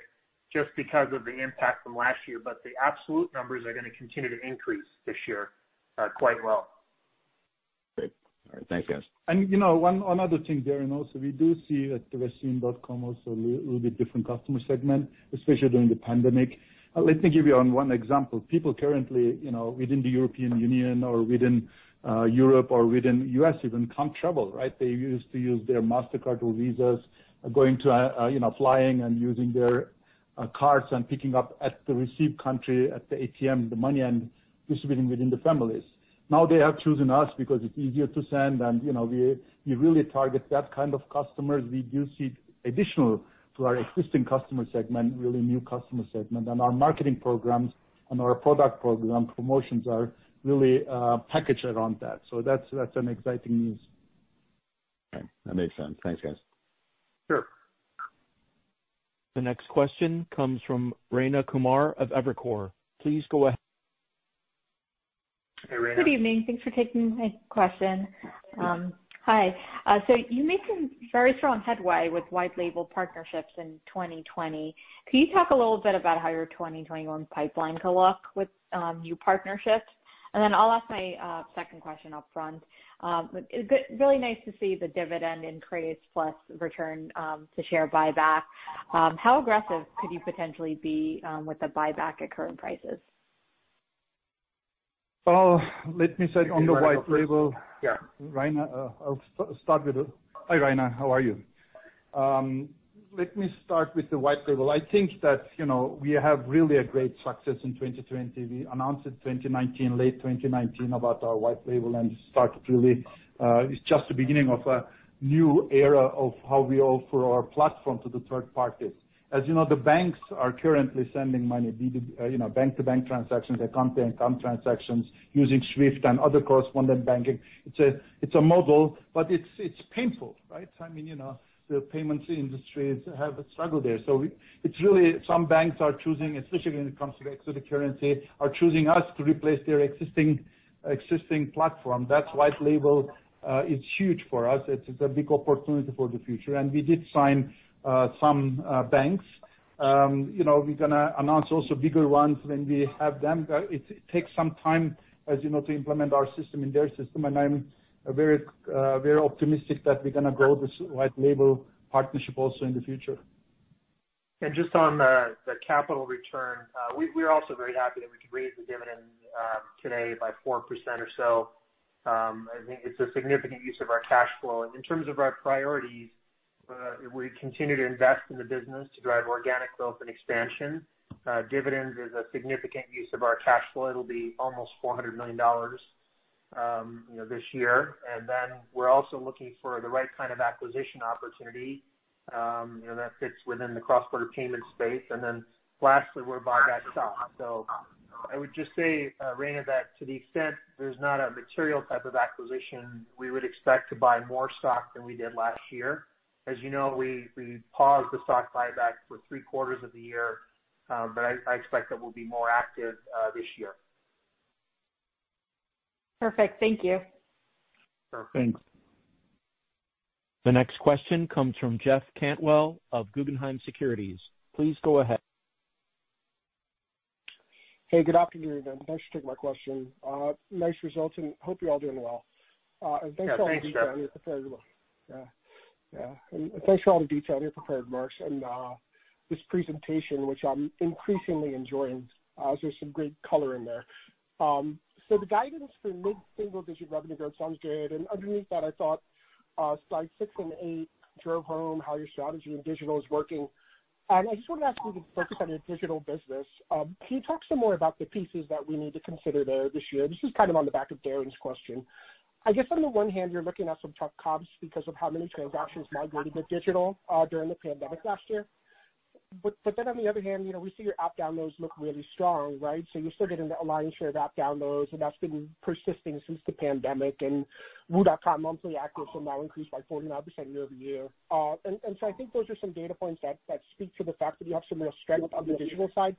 just because of the impact from last year. The absolute numbers are going to continue to increase this year quite well. Great. All right. Thanks, guys. One other thing, Darrin, also, we do see that the westernunion.com also a little bit different customer segment, especially during the pandemic. Let me give you one example. People currently within the European Union or within Europe or within U.S. even, can't travel, right? They used to use their Mastercard or Visa, flying and using their cards and picking up at the received country at the ATM, the money and distributing within the families. Now they are choosing us because it's easier to send and we really target that kind of customers. We do see additional to our existing customer segment, really new customer segment. Our marketing programs and our product program promotions are really packaged around that. That's an exciting news. Okay. That makes sense. Thanks, guys. Sure. The next question comes from Rayna Kumar of Evercore. Please go. Hey, Rayna. Good evening. Thanks for taking my question. Hi. You made some very strong headway with white label partnerships in 2020. Can you talk a little bit about how your 2021 pipeline could look with new partnerships? I'll ask my second question upfront. Really nice to see the dividend increase plus return to share buyback. How aggressive could you potentially be with the buyback at current prices? Let me start on the white label. You want to go first? Yeah. Rayna, I'll start with Hi, Rayna. How are you? Let me start with the white label. I think that we have really a great success in 2020. We announced in late 2019 about our white label and started really. It's just the beginning of a new era of how we offer our platform to the third parties. As you know, the banks are currently sending money, bank-to-bank transactions, account-to-account transactions using SWIFT and other correspondent banking. It's a model, but it's painful, right? I mean, the payments industries have a struggle there. Some banks are choosing, especially when it comes to exotic currency, are choosing us to replace their existing platform. That's white label. It's huge for us. It's a big opportunity for the future. We did sign some banks. We're going to announce also bigger ones when we have them. It takes some time, as you know, to implement our system in their system, and I'm very optimistic that we're going to grow this white label partnership also in the future. Just on the capital return, we're also very happy that we could raise the dividend today by 4% or so. I think it's a significant use of our cash flow. In terms of our priorities, we continue to invest in the business to drive organic growth and expansion. Dividends is a significant use of our cash flow. It'll be almost $400 million this year. We're also looking for the right kind of acquisition opportunity that fits within the cross-border payment space. Lastly, we'll buy back stock. I would just say, Rayna, that to the extent there's not a material type of acquisition, we would expect to buy more stock than we did last year. As you know, we paused the stock buyback for three quarters of the year, but I expect that we'll be more active this year. Perfect. Thank you. Perfect. Thanks. The next question comes from Jeff Cantwell of Guggenheim Securities. Please go ahead. Hey, good afternoon, everyone. Thanks for taking my question. Nice results, and hope you're all doing well. Yeah. Thanks, Jeff. Thanks for all the detail in your prepared remarks and this presentation, which I'm increasingly enjoying. There's some great color in there. The guidance for mid-single-digit revenue growth sounds good, and underneath that, I thought slides six and eight drove home how your strategy in digital is working. I just wanted to ask you to focus on your digital business. Can you talk some more about the pieces that we need to consider there this year? This is kind of on the back of Darrin's question. I guess on the one hand, you're looking at some tough comps because of how many transactions migrated to digital during the pandemic last year. On the other hand, we see your app downloads look really strong, right? You're still getting a lion's share of app downloads, that's been persisting since the pandemic, wu.com monthly actives have now increased by 49% year-over-year. I think those are some data points that speak to the fact that you have some real strength on the digital side.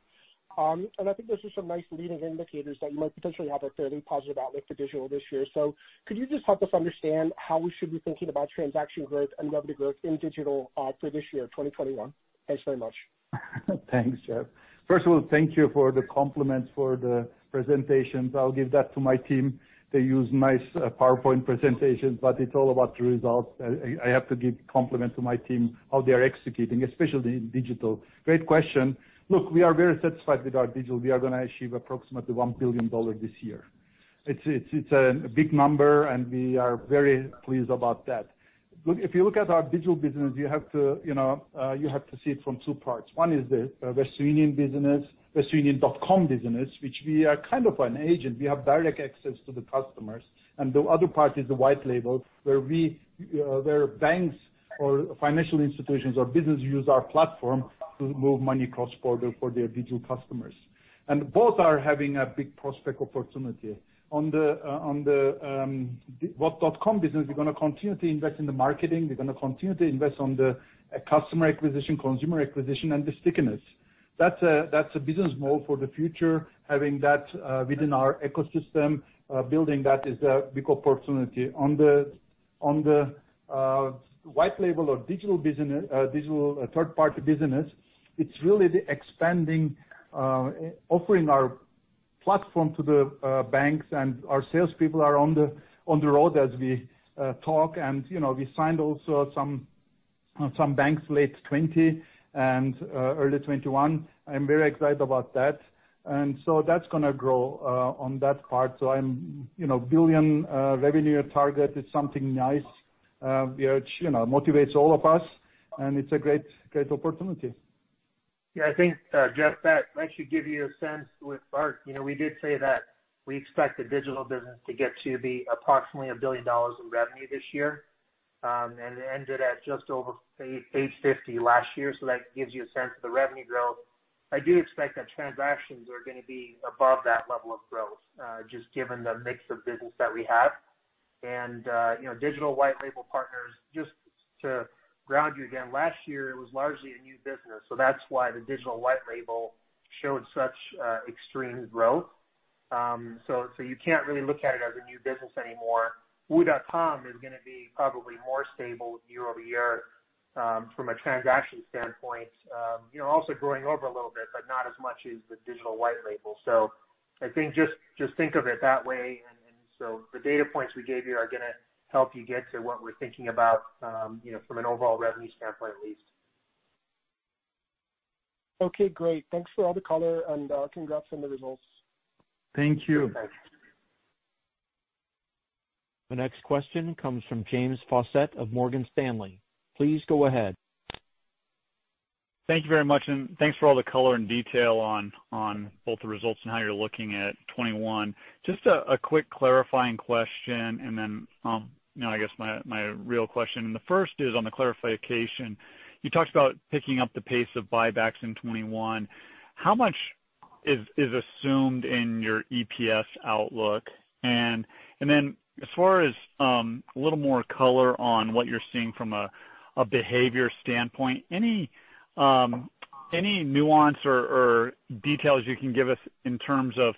I think those are some nice leading indicators that you might potentially have a fairly positive outlook for digital this year. Could you just help us understand how we should be thinking about transaction growth and revenue growth in digital for this year, 2021? Thanks very much. Thanks, Jeff. First of all, thank you for the compliment for the presentation. I'll give that to my team. They use nice PowerPoint presentations, but it's all about the results. I have to give compliment to my team, how they are executing, especially in digital. Great question. Look, we are very satisfied with our digital. We are going to achieve approximately $1 billion this year. It's a big number, and we are very pleased about that. Look, if you look at our digital business, you have to see it from two parts. One is the Western Union business, westernunion.com business, which we are kind of an agent. We have direct access to the customers. The other part is the white label, where banks or financial institutions or businesses use our platform to move money cross-border for their digital customers. Both are having a big prospect opportunity. On the wu.com business, we're going to continue to invest in the marketing. We're going to continue to invest on the customer acquisition, consumer acquisition, and the stickiness. That's a business model for the future. Having that within our ecosystem, building that is a big opportunity. On the white label or digital third-party business, it's really the expanding, offering our platform to the banks, and our salespeople are on the road as we talk. We signed also some banks late 2020 and early 2021. I'm very excited about that. That's going to grow on that part. A $1 billion revenue target is something nice, which motivates all of us, and it's a great opportunity. Yeah, I think, Jeff, that should give you a sense with [Bart]. We did say that we expect the digital business to get to be approximately $1 billion in revenue this year. It ended at just over $850 million last year, so that gives you a sense of the revenue growth. I do expect that transactions are going to be above that level of growth, just given the mix of business that we have. Digital white label partners, just to ground you again, last year it was largely a new business, so that's why the digital white label showed such extreme growth. You can't really look at it as a new business anymore. wu.com is going to be probably more stable year-over-year from a transaction standpoint. Also growing over a little bit, but not as much as the digital white label. I think just think of it that way, and so the data points we gave you are going to help you get to what we're thinking about from an overall revenue standpoint. Okay, great. Thanks for all the color and congrats on the results. Thank you. Thanks. The next question comes from James Faucette of Morgan Stanley. Please go ahead. Thank you very much. Thanks for all the color and detail on both the results and how you're looking at 2021. Just a quick clarifying question. Then I guess my real question. The first is on the clarification. You talked about picking up the pace of buybacks in 2021. How much is assumed in your EPS outlook? As far as a little more color on what you're seeing from a behavior standpoint, any nuance or details you can give us in terms of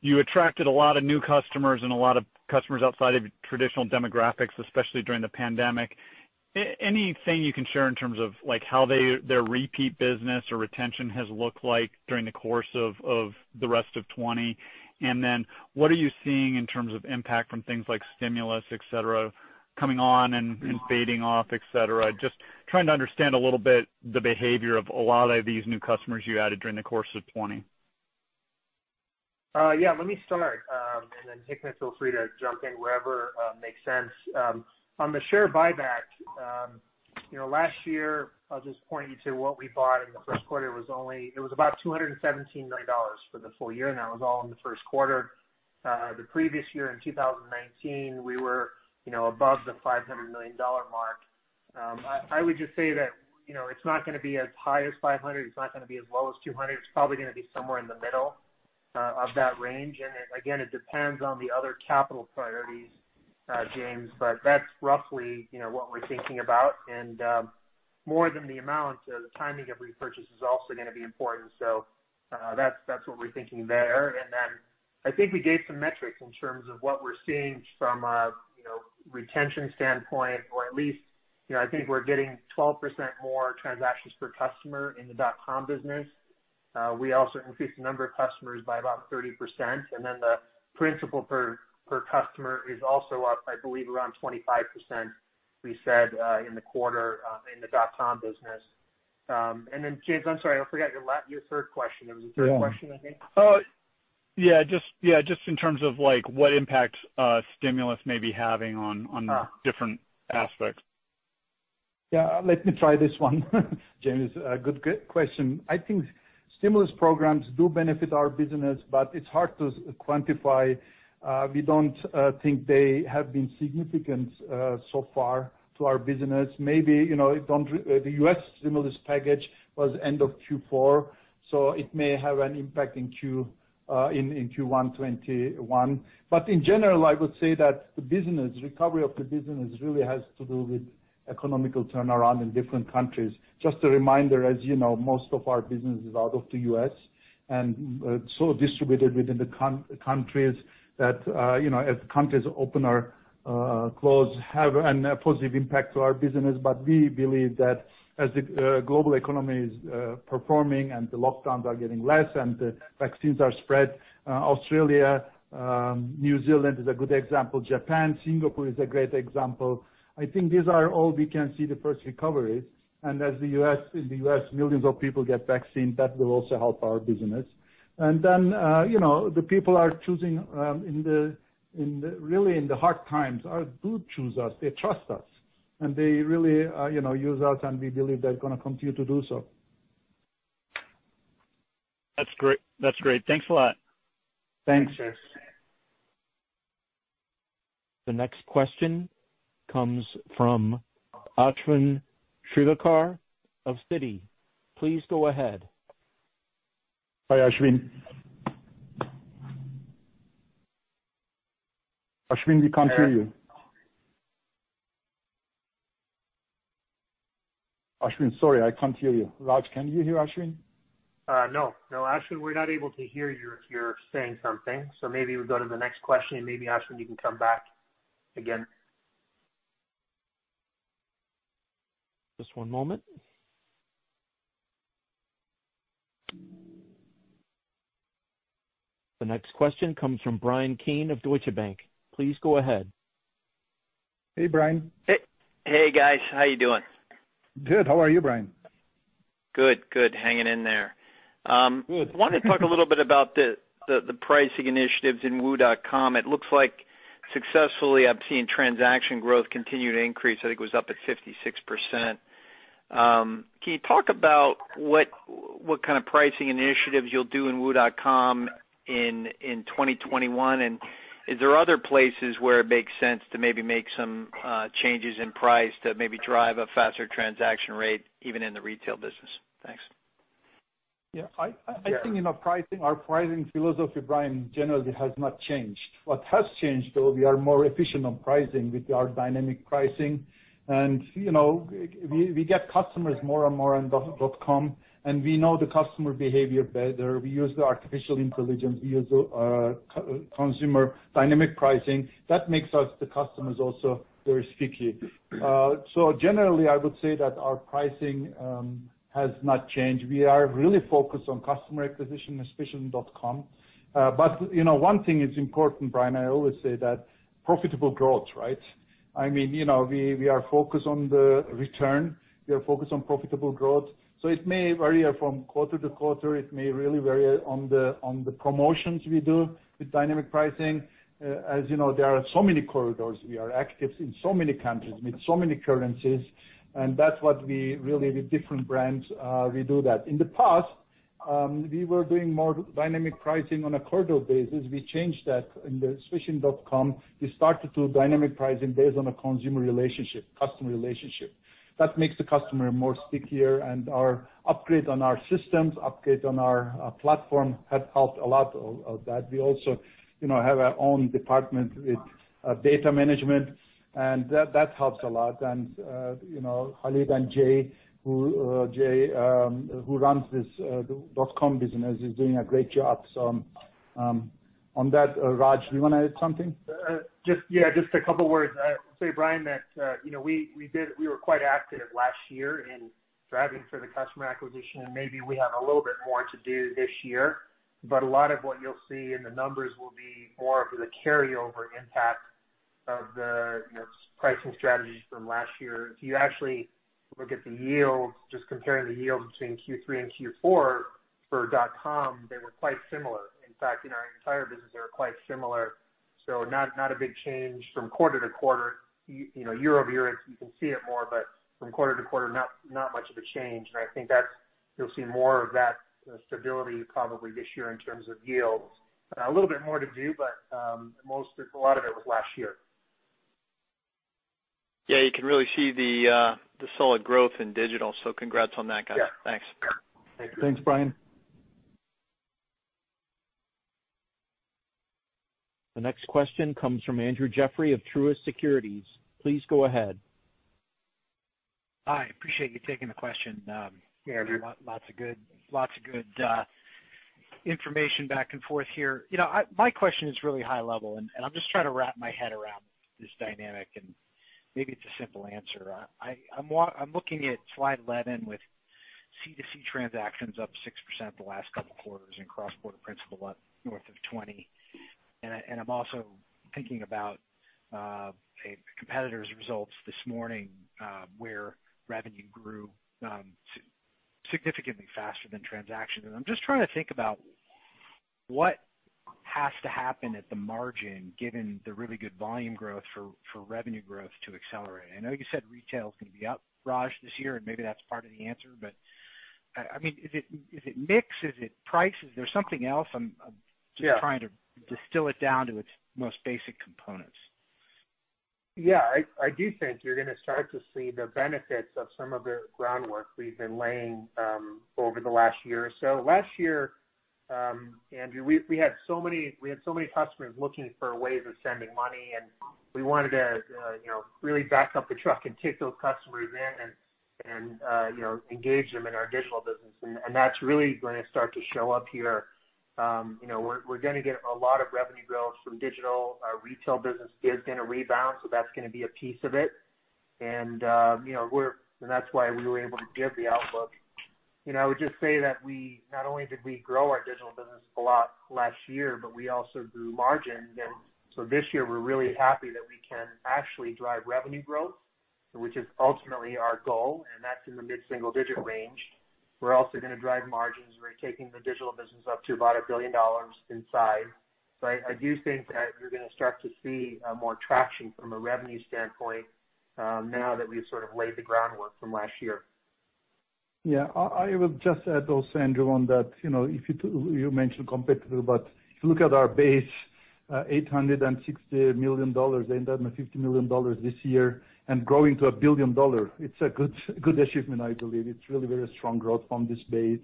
you attracted a lot of new customers and a lot of customers outside of traditional demographics, especially during the pandemic. Anything you can share in terms of their repeat business or retention has looked like during the course of the rest of 2020? What are you seeing in terms of impact from things like stimulus, et cetera, coming on and fading off, et cetera? Just trying to understand a little bit the behavior of a lot of these new customers you added during the course of 2020. Yeah. Let me start, and then Hikmet, feel free to jump in wherever makes sense. On the share buyback, last year, I'll just point you to what we bought in the first quarter. It was about $217 million for the full year, and that was all in the first quarter. The previous year, in 2019, we were above the $500 million mark. I would just say that it's not going to be as high as $500 million, it's not going to be as low as $200 million. It's probably going to be somewhere in the middle of that range. Again, it depends on the other capital priorities, James. That's roughly what we're thinking about. More than the amount, the timing of repurchase is also going to be important. That's what we're thinking there. I think we gave some metrics in terms of what we're seeing from a retention standpoint or at least, I think we're getting 12% more transactions per customer in the .com business. We also increased the number of customers by about 30%, and then the principal per customer is also up, I believe, around 25%, we said in the quarter in the .com business. James, I'm sorry, I forgot your third question. There was a third question, I think. Yeah. Just in terms of what impact stimulus may be having on different aspects. Yeah. Let me try this one, James. Good question. I think stimulus programs do benefit our business, but it's hard to quantify. We don't think they have been significant so far to our business. Maybe, the U.S. stimulus package was end of Q4, so it may have an impact in Q1 2021. In general, I would say that the recovery of the business really has to do with economical turnaround in different countries. Just a reminder, as you know, most of our business is out of the U.S. and so distributed within the countries that as countries open or close, have a positive impact to our business. We believe that as the global economy is performing and the lockdowns are getting less and the vaccines are spread, Australia, New Zealand is a good example. Japan, Singapore is a great example. I think these are all we can see the first recoveries. As in the U.S., millions of people get vaccines, that will also help our business. The people are choosing, really in the hard times, do choose us. They trust us, and they really use us, and we believe they're going to continue to do so. That's great. Thanks a lot. Thanks, James. The next question comes from Ashwin Shirvaikar of Citi. Please go ahead. Hi, Ashwin. Ashwin, we can't hear you. Ashwin, sorry, I can't hear you. Raj, can you hear Ashwin? No. Ashwin, we're not able to hear you if you're saying something. Maybe we'll go to the next question, and maybe, Ashwin, you can come back again. Just one moment. The next question comes from Bryan Keane of Deutsche Bank. Please go ahead. Hey, Bryan. Hey, guys. How you doing? Good. How are you, Bryan? Good. Hanging in there. Good. Wanted to talk a little bit about the pricing initiatives in wu.com. It looks like successfully I'm seeing transaction growth continue to increase. I think it was up at 56%. Can you talk about what kind of pricing initiatives you'll do in wu.com in 2021, and is there other places where it makes sense to maybe make some changes in price to maybe drive a faster transaction rate even in the retail business? Thanks. I think our pricing philosophy, Bryan, generally has not changed. What has changed, though, we are more efficient on pricing with our dynamic pricing, and we get customers more and more on wu.com, and we know the customer behavior better. We use the artificial intelligence. We use consumer dynamic pricing. That makes us the customers also very sticky. Generally, I would say that our pricing has not changed. We are really focused on customer acquisition, especially in .com. One thing is important, Bryan, I always say that profitable growth, right? We are focused on the return. We are focused on profitable growth. It may vary from quarter-to-quarter. It may really vary on the promotions we do with dynamic pricing. As you know, there are so many corridors. We are active in so many countries with so many currencies, that's what we really, with different brands, we do that. In the past, we were doing more dynamic pricing on a corridor basis. We changed that. In the wu.com, we started to do dynamic pricing based on a consumer relationship, customer relationship. That makes the customer more stickier and our upgrade on our systems, upgrade on our platform has helped a lot of that. We also have our own department with data management, that helps a lot. Khalid and Jay, who runs this .com business, is doing a great job. On that, Raj, do you want to add something? Yeah, just a couple words. I'd say, Bryan, that we were quite active last year in driving for the customer acquisition, and maybe we have a little bit more to do this year. A lot of what you'll see in the numbers will be more of the carryover impact of the pricing strategies from last year. If you actually look at the yields, just comparing the yields between Q3 and Q4 for wu.com, they were quite similar. In fact, in our entire business, they were quite similar. Not a big change from quarter-to-quarter. Year-over-year, you can see it more, but from quarter-to-quarter, not much of a change. I think you'll see more of that stability probably this year in terms of yields. A little bit more to do, but a lot of it was last year. Yeah, you can really see the solid growth in digital. Congrats on that, guys. Yeah. Thanks. Thank you. Thanks, Bryan. The next question comes from Andrew Jeffrey of Truist Securities. Please go ahead. Hi, appreciate you taking the question. Hey, Andrew. Lots of good information back and forth here. My question is really high level, and I'm just trying to wrap my head around this dynamic, and maybe it's a simple answer. I'm looking at slide 11 with C2C transactions up 6% the last couple of quarters and cross-border principal up north of 20. I'm also thinking about a competitor's results this morning where revenue grew significantly faster than transactions. I'm just trying to think about what has to happen at the margin, given the really good volume growth for revenue growth to accelerate. I know you said retail is going to be up, Raj, this year, and maybe that's part of the answer. Is it mix? Is it price? Is there something else? Yeah. I'm just trying to distill it down to its most basic components. Yeah, I do think you're going to start to see the benefits of some of the groundwork we've been laying over the last year or so. Last year, Andrew, we had so many customers looking for ways of sending money, and we wanted to really back up the truck and take those customers in and engage them in our digital business. That's really going to start to show up here. We're going to get a lot of revenue growth from digital. Our retail business is going to rebound, so that's going to be a piece of it. That's why we were able to give the outlook. I would just say that not only did we grow our digital business a lot last year, but we also grew margins. This year, we're really happy that we can actually drive revenue growth, which is ultimately our goal, and that's in the mid-single digit range. We're also going to drive margins. We're taking the digital business up to about $1 billion in size. I do think that you're going to start to see more traction from a revenue standpoint now that we've sort of laid the groundwork from last year. Yeah. I will just add also, Andrew, on that. You mentioned competitor, but if you look at our base, $860 million, end up at $50 million this year and growing to $1 billion. It's a good achievement, I believe. It's really very strong growth from this base.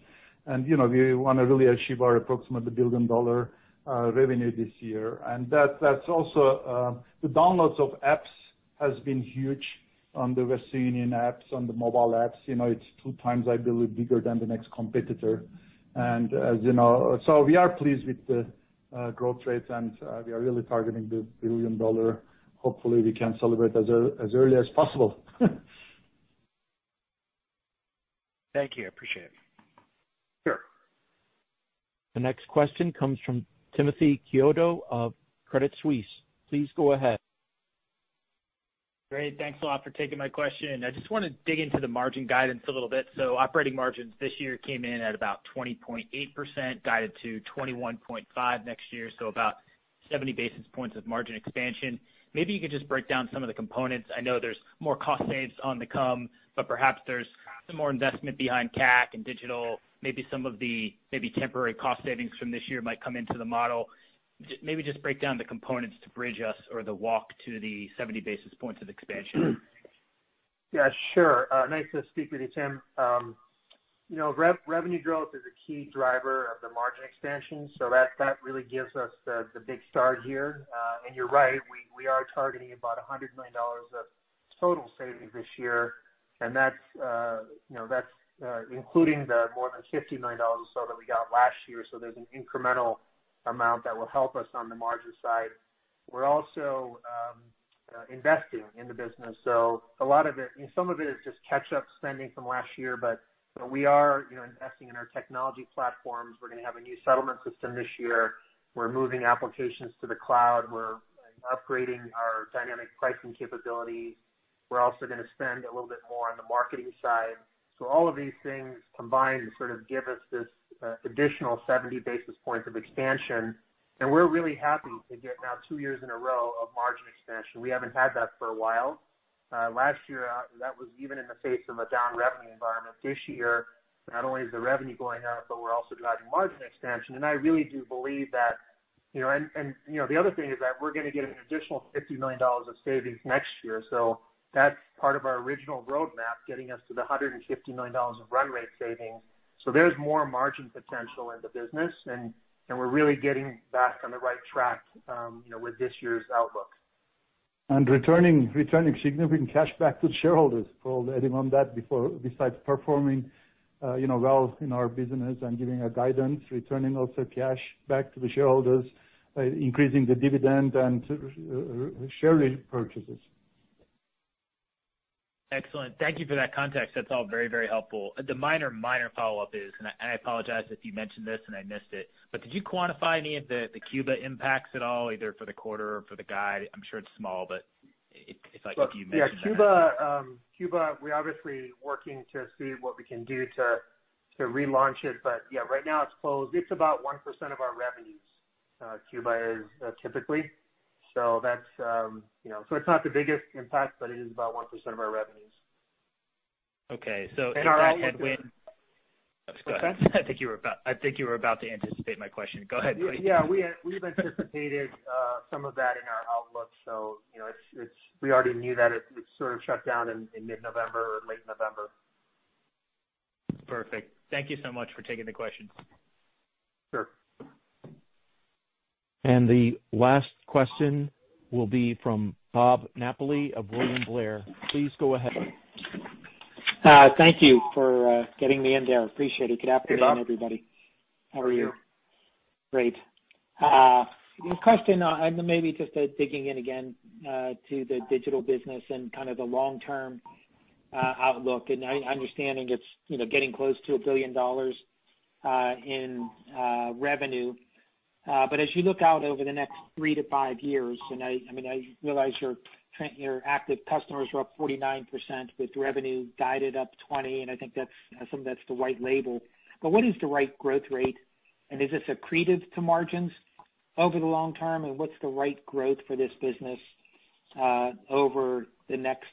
We want to really achieve our approximate $1 billion-dollar revenue this year. That's also the downloads of apps has been huge on the Western Union apps, on the mobile apps. It's two times, I believe, bigger than the next competitor. We are pleased with the growth rates, and we are really targeting the $1 billion. Hopefully, we can celebrate as early as possible. Thank you. I appreciate it. Sure. The next question comes from Timothy Chiodo of Credit Suisse. Please go ahead. Great. Thanks a lot for taking my question. I just want to dig into the margin guidance a little bit. Operating margins this year came in at about 20.8%, guided to 21.5% next year, so about 70 basis points of margin expansion. Maybe you could just break down some of the components. I know there's more cost saves on the come, but perhaps there's some more investment behind CAC and digital. Maybe some of the temporary cost savings from this year might come into the model. Maybe just break down the components to bridge us or the walk to the 70 basis points of expansion. Yeah, sure. Nice to speak with you, Tim. Revenue growth is a key driver of the margin expansion. That really gives us the big start here. You're right, we are targeting about $100 million of total savings this year, and that's including the more than $50 million or so that we got last year. There's an incremental amount that will help us on the margin side. We're also investing in the business. Some of it is just catch-up spending from last year. We are investing in our technology platforms. We're going to have a new settlement system this year. We're moving applications to the cloud. We're upgrading our dynamic pricing capability. We're also going to spend a little bit more on the marketing side. All of these things combined sort of give us this additional 70 basis points of expansion. We're really happy to get now two years in a row of margin expansion. We haven't had that for a while. Last year, that was even in the face of a down revenue environment. This year, not only is the revenue going up, but we're also driving margin expansion. The other thing is that we're going to get an additional $50 million of savings next year. That's part of our original roadmap, getting us to the $150 million of run rate savings. There's more margin potential in the business, and we're really getting back on the right track with this year's outlook. Returning significant cash back to shareholders. Also adding on that before, besides performing well in our business and giving guidance, returning also cash back to the shareholders by increasing the dividend and share repurchases. Excellent. Thank you for that context. That's all very helpful. The minor follow-up is, and I apologize if you mentioned this and I missed it, but did you quantify any of the Cuba impacts at all, either for the quarter or for the guide? I'm sure it's small, but if you mentioned that. Cuba we're obviously working to see what we can do to relaunch it. Right now it's closed. It's about 1% of our revenues. Cuba is typically. It's not the biggest impact, but it is about 1% of our revenues. Okay. In our- Go ahead. I think you were about to anticipate my question. Go ahead, please. Yeah, we've anticipated some of that in our outlook. We already knew that it sort of shut down in mid-November or late November. Perfect. Thank you so much for taking the question. Sure. The last question will be from Bob Napoli of William Blair. Please go ahead. Thank you for getting me in there. Appreciate it. Good afternoon, everybody. Hey, Bob. How are you? How are you? Great. Question, maybe just digging in again to the digital business and kind of the long-term outlook. I understand it's getting close to $1 billion in revenue. As you look out over the next three to five years, I realize your active customers are up 49% with revenue guided up 20%, and I think that's something that's the white label. What is the right growth rate, and is this accretive to margins over the long term? What's the right growth for this business over the next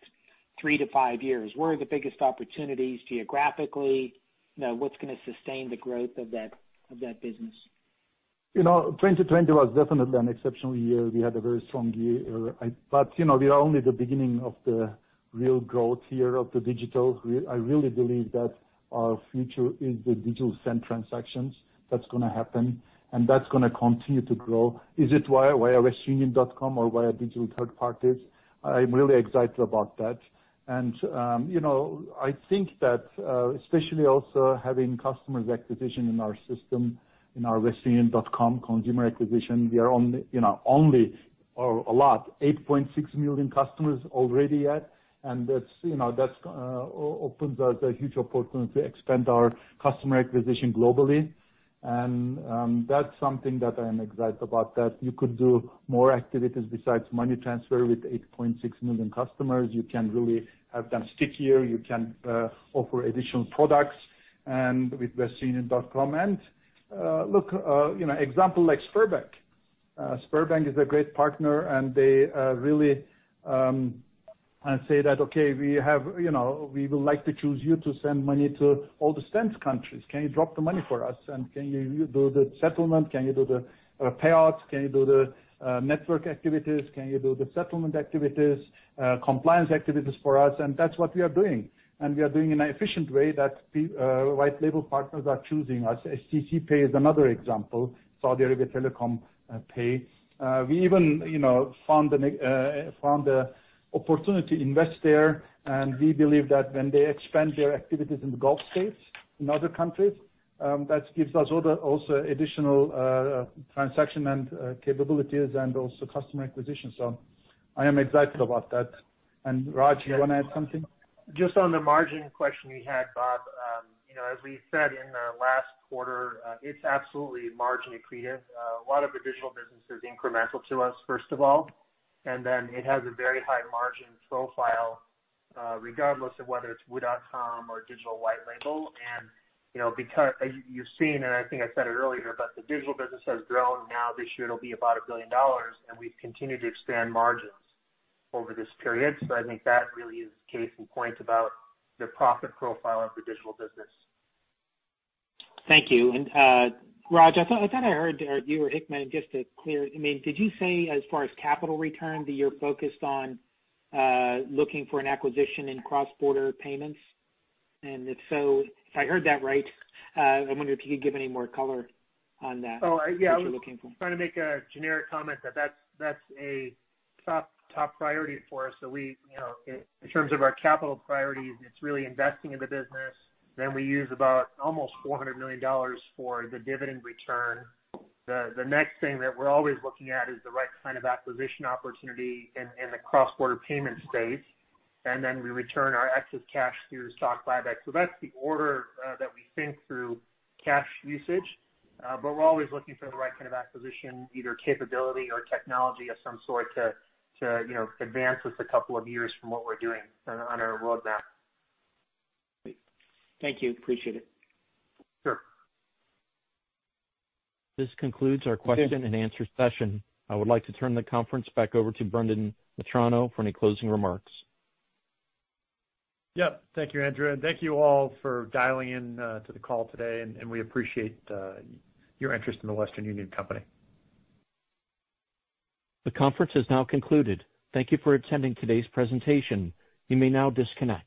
three to five years? Where are the biggest opportunities geographically? What's going to sustain the growth of that business? 2020 was definitely an exceptional year. We are only the beginning of the real growth here of the digital. I really believe that our future is the digital send transactions. That's going to happen, and that's going to continue to grow. Is it via westernunion.com or via digital third parties? I'm really excited about that. I think that especially also having customers acquisition in our system, in our westernunion.com consumer acquisition, we are only or a lot, 8.6 million customers already at. That opens us a huge opportunity to expand our customer acquisition globally. That's something that I am excited about, that you could do more activities besides money transfer with 8.6 million customers. You can really have them stickier. You can offer additional products and with westernunion.com. Look example like Sberbank. Sberbank is a great partner, they really say that, "Okay, we will like to choose you to send money to all the CIS countries. Can you drop the money for us? And can you do the settlement? Can you do the payouts? Can you do the network activities? Can you do the settlement activities, compliance activities for us?" That's what we are doing. We are doing in an efficient way that white label partners are choosing us. stc pay is another example, Saudi Arabia Telecom Pay. We even found the opportunity to invest there. We believe that when they expand their activities in the Gulf States, in other countries, that gives us also additional transaction and capabilities and also customer acquisition. I am excited about that. Raj, you want to add something? On the margin question you had, Bob. As we said in our last quarter, it's absolutely margin accretive. A lot of the digital business is incremental to us, first of all, then it has a very high margin profile, regardless of whether it's wu.com or digital white label. You've seen, I think I said it earlier, the digital business has grown. Now this year, it'll be about $1 billion, we've continued to expand margins over this period. I think that really is the case in point about the profit profile of the digital business. Thank you. Raj, I thought I heard you or Hikmet just to clear, did you say as far as capital return that you're focused on looking for an acquisition in cross-border payments? If so, if I heard that right, I wonder if you could give any more color on that. Oh, yeah. What you're looking for. Trying to make a generic comment that that's a top priority for us. In terms of our capital priorities, it's really investing in the business. We use about almost $400 million for the dividend return. The next thing that we're always looking at is the right kind of acquisition opportunity in the cross-border payment space. We return our excess cash through stock buyback. That's the order that we think through cash usage. We're always looking for the right kind of acquisition, either capability or technology of some sort to advance us a couple of years from what we're doing on our roadmap. Great. Thank you. Appreciate it. Sure. This concludes our question and answer session. I would like to turn the conference back over to Brendan Metrano for any closing remarks. Yep. Thank you, Andrew. Thank you all for dialing in to the call today, and we appreciate your interest in The Western Union Company. The conference has now concluded. Thank you for attending today's presentation. You may now disconnect.